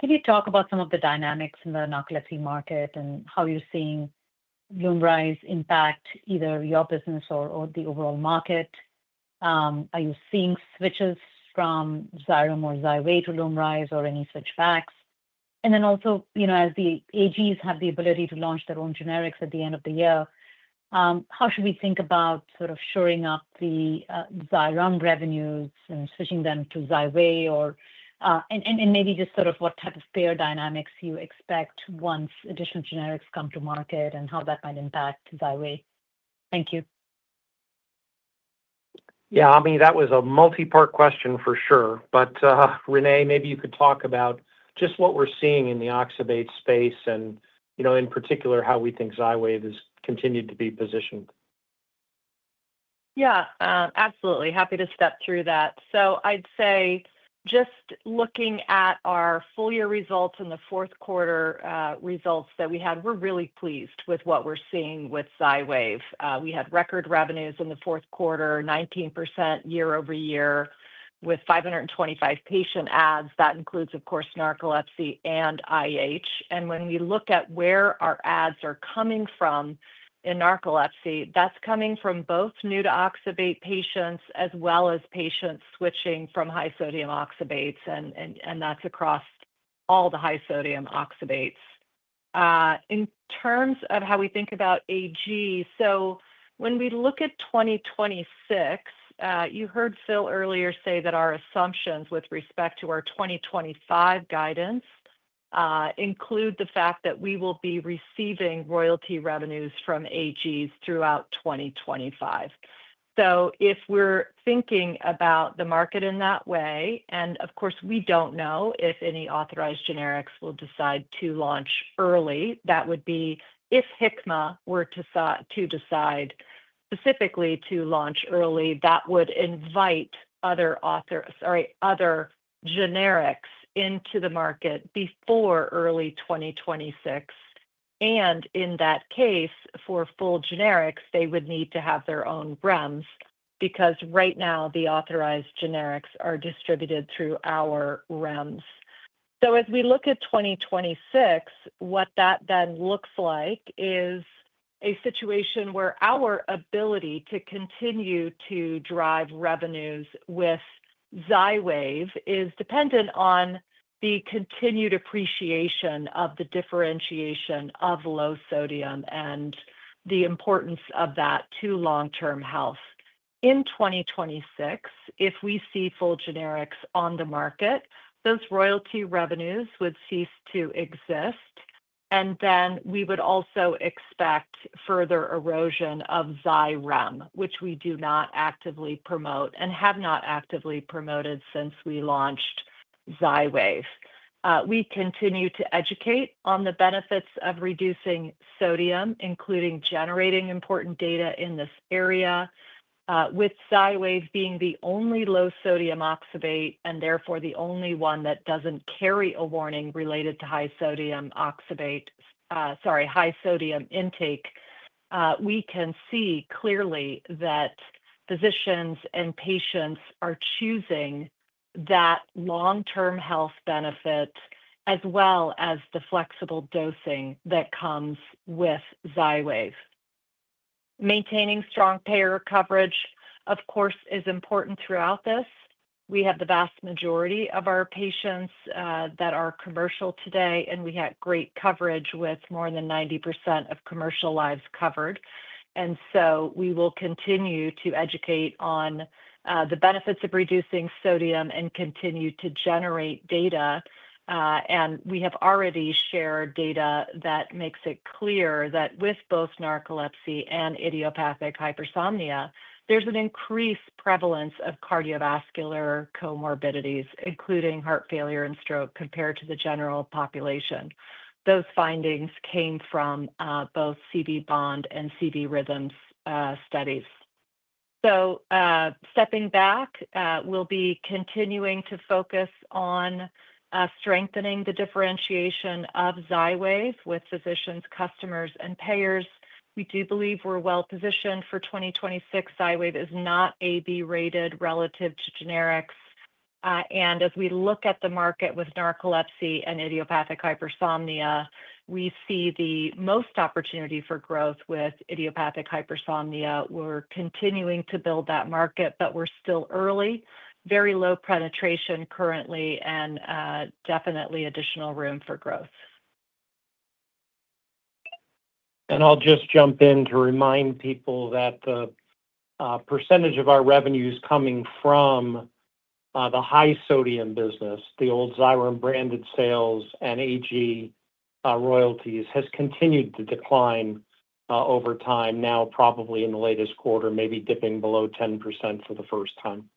can you talk about some of the dynamics in the narcolepsy market and how you're seeing Lumryz impact either your business or the overall market? Are you seeing switches from Xyrem or Xywav to Lumryz or any switchbacks? And then also, you know, as the AGs have the ability to launch their own generics at the end of the year, how should we think about sort of shoring up the Xyrem revenues and switching them to Xywav? And maybe just sort of what type of payer dynamics you expect once additional generics come to market and how that might impact Xywav? Thank you. Yeah. I mean, that was a multi-part question for sure. But Renee, maybe you could talk about just what we're seeing in the oxybate space and, you know, in particular, how we think Xywav has continued to be positioned. Yeah. Absolutely. Happy to step through that. So I'd say just looking at our full year results and the fourth quarter results that we had, we're really pleased with what we're seeing with Xywav. We had record revenues in the fourth quarter, 19% year-over-year with 525 patient adds. That includes, of course, narcolepsy and IH. And when we look at where our adds are coming from in narcolepsy, that's coming from both new to oxybate patients as well as patients switching from high sodium oxybates, and that's across all the high sodium oxybates. In terms of how we think about AG, so when we look at 2026, you heard Phil earlier say that our assumptions with respect to our 2025 guidance include the fact that we will be receiving royalty revenues from AGs throughout 2025. If we're thinking about the market in that way, and of course, we don't know if any authorized generics will decide to launch early, that would be if Hikma were to decide specifically to launch early, that would invite other authorized or other generics into the market before early 2026. And in that case, for full generics, they would need to have their own REMS because right now the authorized generics are distributed through our REMS. As we look at 2026, what that then looks like is a situation where our ability to continue to drive revenues with Xywav is dependent on the continued appreciation of the differentiation of low sodium and the importance of that to long-term health. In 2026, if we see full generics on the market, those royalty revenues would cease to exist. And then we would also expect further erosion of Xyrem, which we do not actively promote and have not actively promoted since we launched Xywav. We continue to educate on the benefits of reducing sodium, including generating important data in this area. With Xywav being the only low sodium oxybate and therefore the only one that doesn't carry a warning related to high sodium oxybate, sorry, high sodium intake, we can see clearly that physicians and patients are choosing that long-term health benefit as well as the flexible dosing that comes with Xywav. Maintaining strong payer coverage, of course, is important throughout this. We have the vast majority of our patients that are commercial today, and we had great coverage with more than 90% of commercial lives covered. And so we will continue to educate on the benefits of reducing sodium and continue to generate data. We have already shared data that makes it clear that with both narcolepsy and idiopathic hypersomnia, there's an increased prevalence of cardiovascular comorbidities, including heart failure and stroke compared to the general population. Those findings came from both CV-BOND and CV-RHYTHM studies. Stepping back, we'll be continuing to focus on strengthening the differentiation of Xywav with physicians, customers, and payers. We do believe we're well positioned for 2026. Xywav is not AB rated relative to generics. As we look at the market with narcolepsy and idiopathic hypersomnia, we see the most opportunity for growth with idiopathic hypersomnia. We're continuing to build that market, but we're still early, very low penetration currently, and definitely additional room for growth. And I'll just jump in to remind people that the percentage of our revenues coming from the high sodium business, the old Xyrem branded sales and AG royalties, has continued to decline over time, now probably in the latest quarter, maybe dipping below 10% for the first time.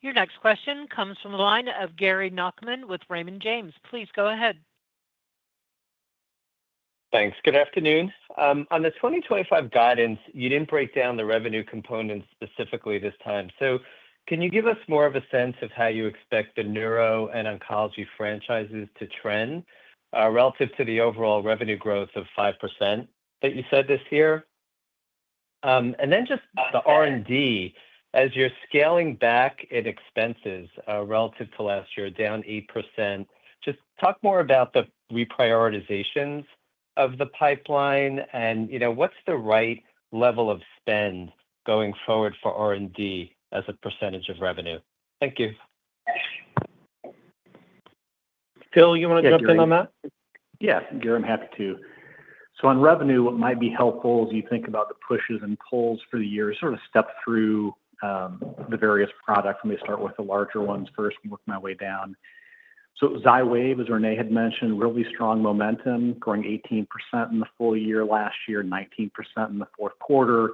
Your next question comes from the line of Gary Nachman with Raymond James. Please go ahead. Thanks. Good afternoon. On the 2025 guidance, you didn't break down the revenue components specifically this time. So can you give us more of a sense of how you expect the Neuro and Oncology franchises to trend relative to the overall revenue growth of 5% that you said this year? And then just the R&D, as you're scaling back in expenses relative to last year, down 8%. Just talk more about the reprioritizations of the pipeline and, you know, what's the right level of spend going forward for R&D as a percentage of revenue? Thank you. Phil, you want to jump in on that? Yeah. Yeah, I'm happy to. So on revenue, what might be helpful as you think about the pushes and pulls for the year is sort of step through the various products. Let me start with the larger ones first and work my way down. So Xywav, as Renee had mentioned, really strong momentum, growing 18% in the full year last year, 19% in the fourth quarter.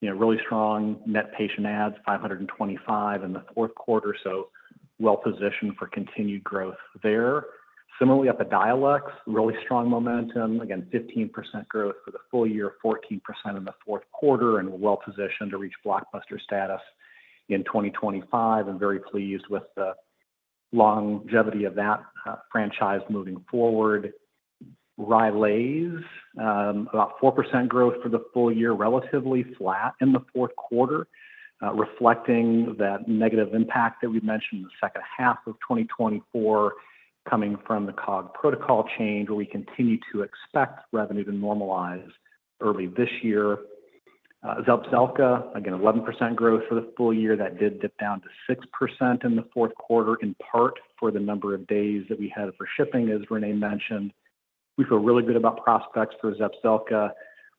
You know, really strong net patient adds, 525 in the fourth quarter. So well positioned for continued growth there. Similarly, up at Epidiolex, really strong momentum. Again, 15% growth for the full year, 14% in the fourth quarter, and well positioned to reach blockbuster status in 2025. I'm very pleased with the longevity of that franchise moving forward. Rylaze, about 4% growth for the full year, relatively flat in the fourth quarter, reflecting that negative impact that we mentioned in the second half of 2024 coming from the COG protocol change, where we continue to expect revenue to normalize early this year. Zepzelca, again, 11% growth for the full year. That did dip down to 6% in the fourth quarter in part for the number of days that we had for shipping, as Renee mentioned. We feel really good about prospects for Zepzelca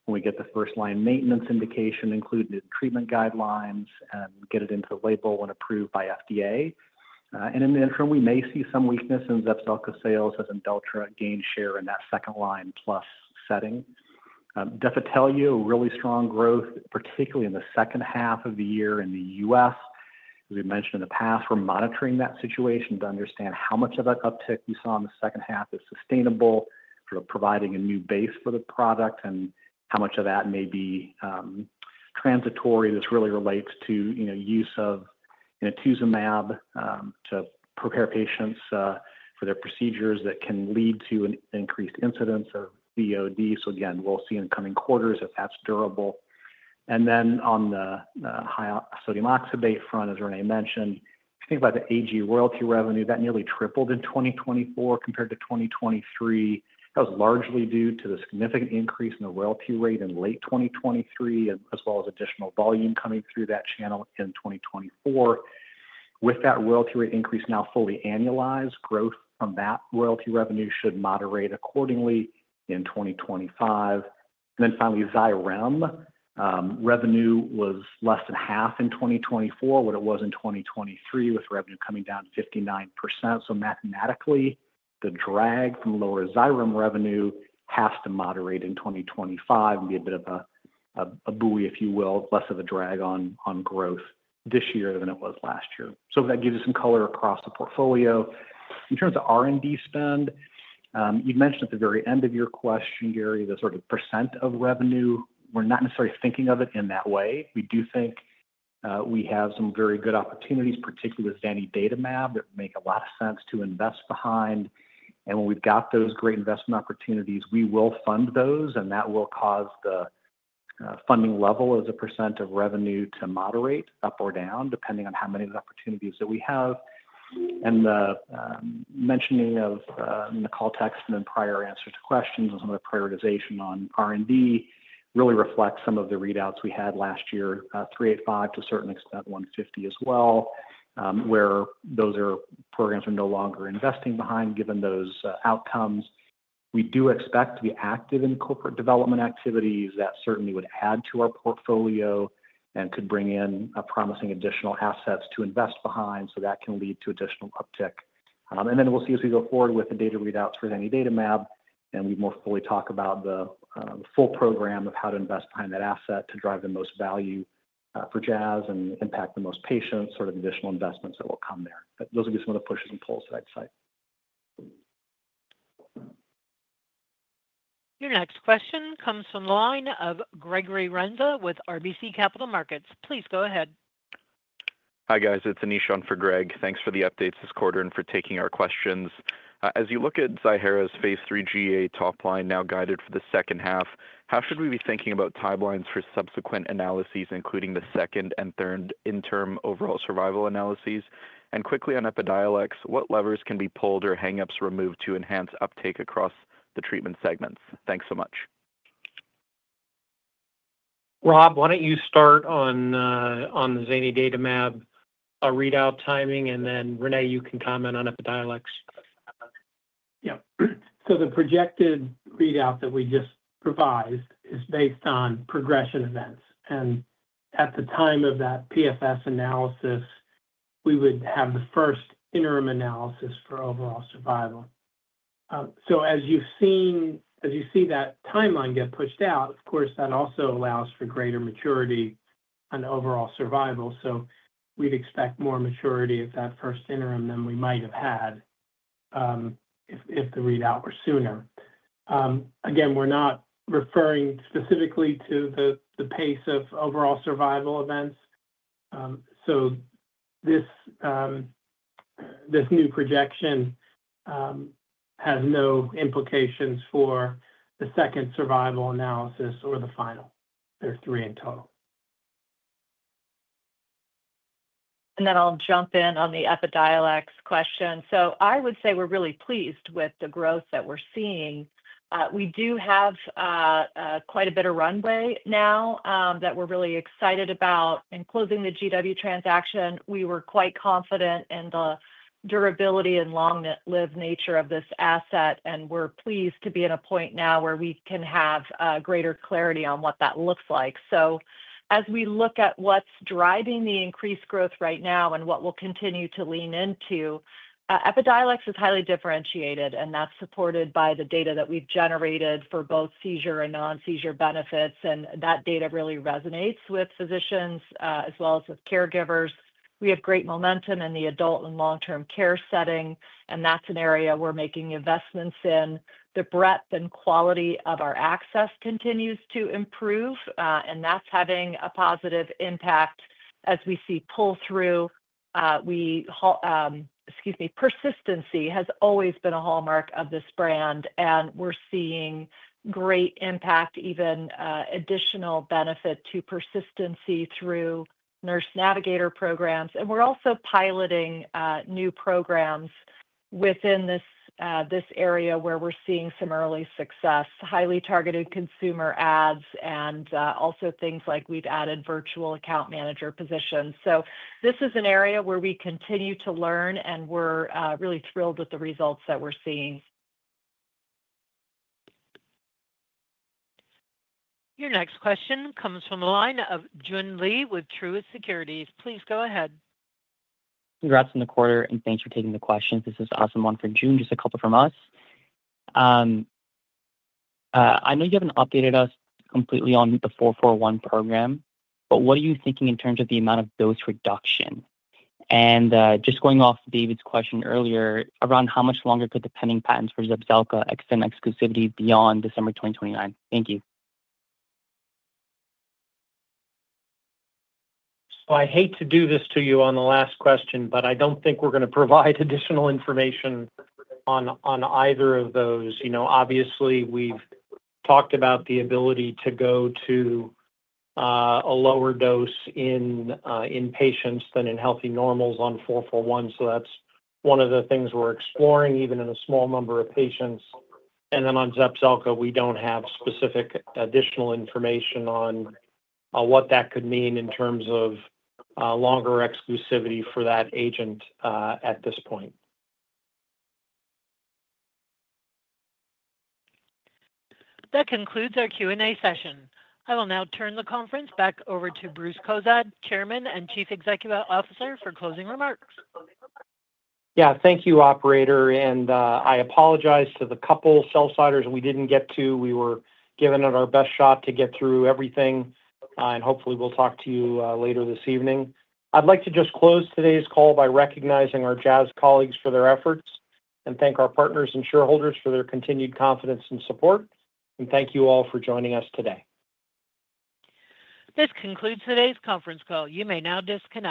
when we get the first line maintenance indication, include the treatment guidelines, and get it into the label when approved by FDA. In the interim, we may see some weakness in Zepzelca sales as Imdelltra gains share in that second line plus setting. Defitelio, really strong growth, particularly in the second half of the year in the U.S.. As we mentioned in the past, we're monitoring that situation to understand how much of that uptick we saw in the second half is sustainable for providing a new base for the product and how much of that may be transitory. This really relates to, you know, use of inotuzumab to prepare patients for their procedures that can lead to an increased incidence of VOD. So again, we'll see in the coming quarters if that's durable. And then on the high sodium oxybate front, as Renee mentioned, if you think about the AG royalty revenue, that nearly tripled in 2024 compared to 2023. That was largely due to the significant increase in the royalty rate in late 2023, as well as additional volume coming through that channel in 2024. With that royalty rate increase now fully annualized, growth from that royalty revenue should moderate accordingly in 2025. And then finally, Xyrem revenue was less than half in 2024 than it was in 2023, with revenue coming down to 59%. So mathematically, the drag from lower Xyrem revenue has to moderate in 2025 and be a bit of a buoy, if you will, less of a drag on growth this year than it was last year. So that gives you some color across the portfolio. In terms of R&D spend, you mentioned at the very end of your question, Gary, the sort of percent of revenue; we're not necessarily thinking of it in that way. We do think we have some very good opportunities, particularly with zanidatamab, that make a lot of sense to invest behind. When we've got those great investment opportunities, we will fund those, and that will cause the funding level as a % of revenue to moderate up or down, depending on how many of the opportunities that we have. The mentioning of the call text and then prior answers to questions and some of the prioritization on R&D really reflects some of the readouts we had last year, 385 to a certain extent, 150 as well, where those programs are no longer investing behind given those outcomes. We do expect to be active in corporate development activities. That certainly would add to our portfolio and could bring in promising additional assets to invest behind, so that can lead to additional uptick. And then we'll see as we go forward with the data readouts for zanidatamab, and we more fully talk about the full program of how to invest behind that asset to drive the most value for Jazz and impact the most patients, sort of additional investments that will come there. But those will be some of the pushes and pulls that I'd cite. Your next question comes from the line of Gregory Renda with RBC Capital Markets. Please go ahead. Hi guys, it's Anish on for Greg. Thanks for the updates this quarter and for taking our questions. As you look at Ziihera's phase III GEA top-line now guided for the second half, how should we be thinking about timelines for subsequent analyses, including the second and third interim overall survival analysis? And quickly on Epidiolex, what levers can be pulled or hiccups removed to enhance uptake across the treatment segments? Thanks so much. Rob, why don't you start on the zanidatamab readout timing, and then Renee, you can comment on Epidiolex. Yeah. So the projected readout that we just revised is based on progression events. And at the time of that PFS analysis, we would have the first interim analysis for overall survival. So as you see that timeline get pushed out, of course, that also allows for greater maturity on overall survival. So we'd expect more maturity at that first interim than we might have had if the readout were sooner. Again, we're not referring specifically to the pace of overall survival events. So this new projection has no implications for the second survival analysis or the final. There are three in total. I'll jump in on the Epidiolex question. I would say we're really pleased with the growth that we're seeing. We do have quite a bit of runway now that we're really excited about following the closing of the GW transaction. We were quite confident in the durability and long-lived nature of this asset, and we're pleased to be at a point now where we can have greater clarity on what that looks like. As we look at what's driving the increased growth right now and what we'll continue to lean into, Epidiolex is highly differentiated, and that's supported by the data that we've generated for both seizure and non-seizure benefits. That data really resonates with physicians as well as with caregivers. We have great momentum in the adult and long-term care setting, and that's an area we're making investments in. The breadth and quality of our access continues to improve, and that's having a positive impact as we see pull-through. Excuse me, persistency has always been a hallmark of this brand, and we're seeing great impact, even additional benefit to persistency through nurse navigator programs, and we're also piloting new programs within this area where we're seeing some early success, highly targeted consumer ads, and also things like we've added virtual account manager positions, so this is an area where we continue to learn, and we're really thrilled with the results that we're seeing. Your next question comes from the line of Joon Lee with Truist Securities. Please go ahead. Congrats on the quarter, and thanks for taking the questions. This is an Anshuman for Joon, just a couple from us. I know you haven't updated us completely on the 441 program, but what are you thinking in terms of the amount of dose reduction? And just going off David's question earlier, around how much longer could the pending patents for Zepzelca extend exclusivity beyond December 2029? Thank you. So I hate to do this to you on the last question, but I don't think we're going to provide additional information on either of those. You know, obviously, we've talked about the ability to go to a lower dose in patients than in healthy normals on 441. So that's one of the things we're exploring, even in a small number of patients. And then on Zepzelca, we don't have specific additional information on what that could mean in terms of longer exclusivity for that agent at this point. That concludes our Q&A session. I will now turn the conference back over to Bruce Cozadd, Chairman and Chief Executive Officer, for closing remarks. Yeah, thank you, Operator. And I apologize to the couple sell-siders we didn't get to. We were giving it our best shot to get through everything, and hopefully we'll talk to you later this evening. I'd like to just close today's call by recognizing our Jazz colleagues for their efforts and thank our partners and shareholders for their continued confidence and support. And thank you all for joining us today. This concludes today's conference call. You may now disconnect.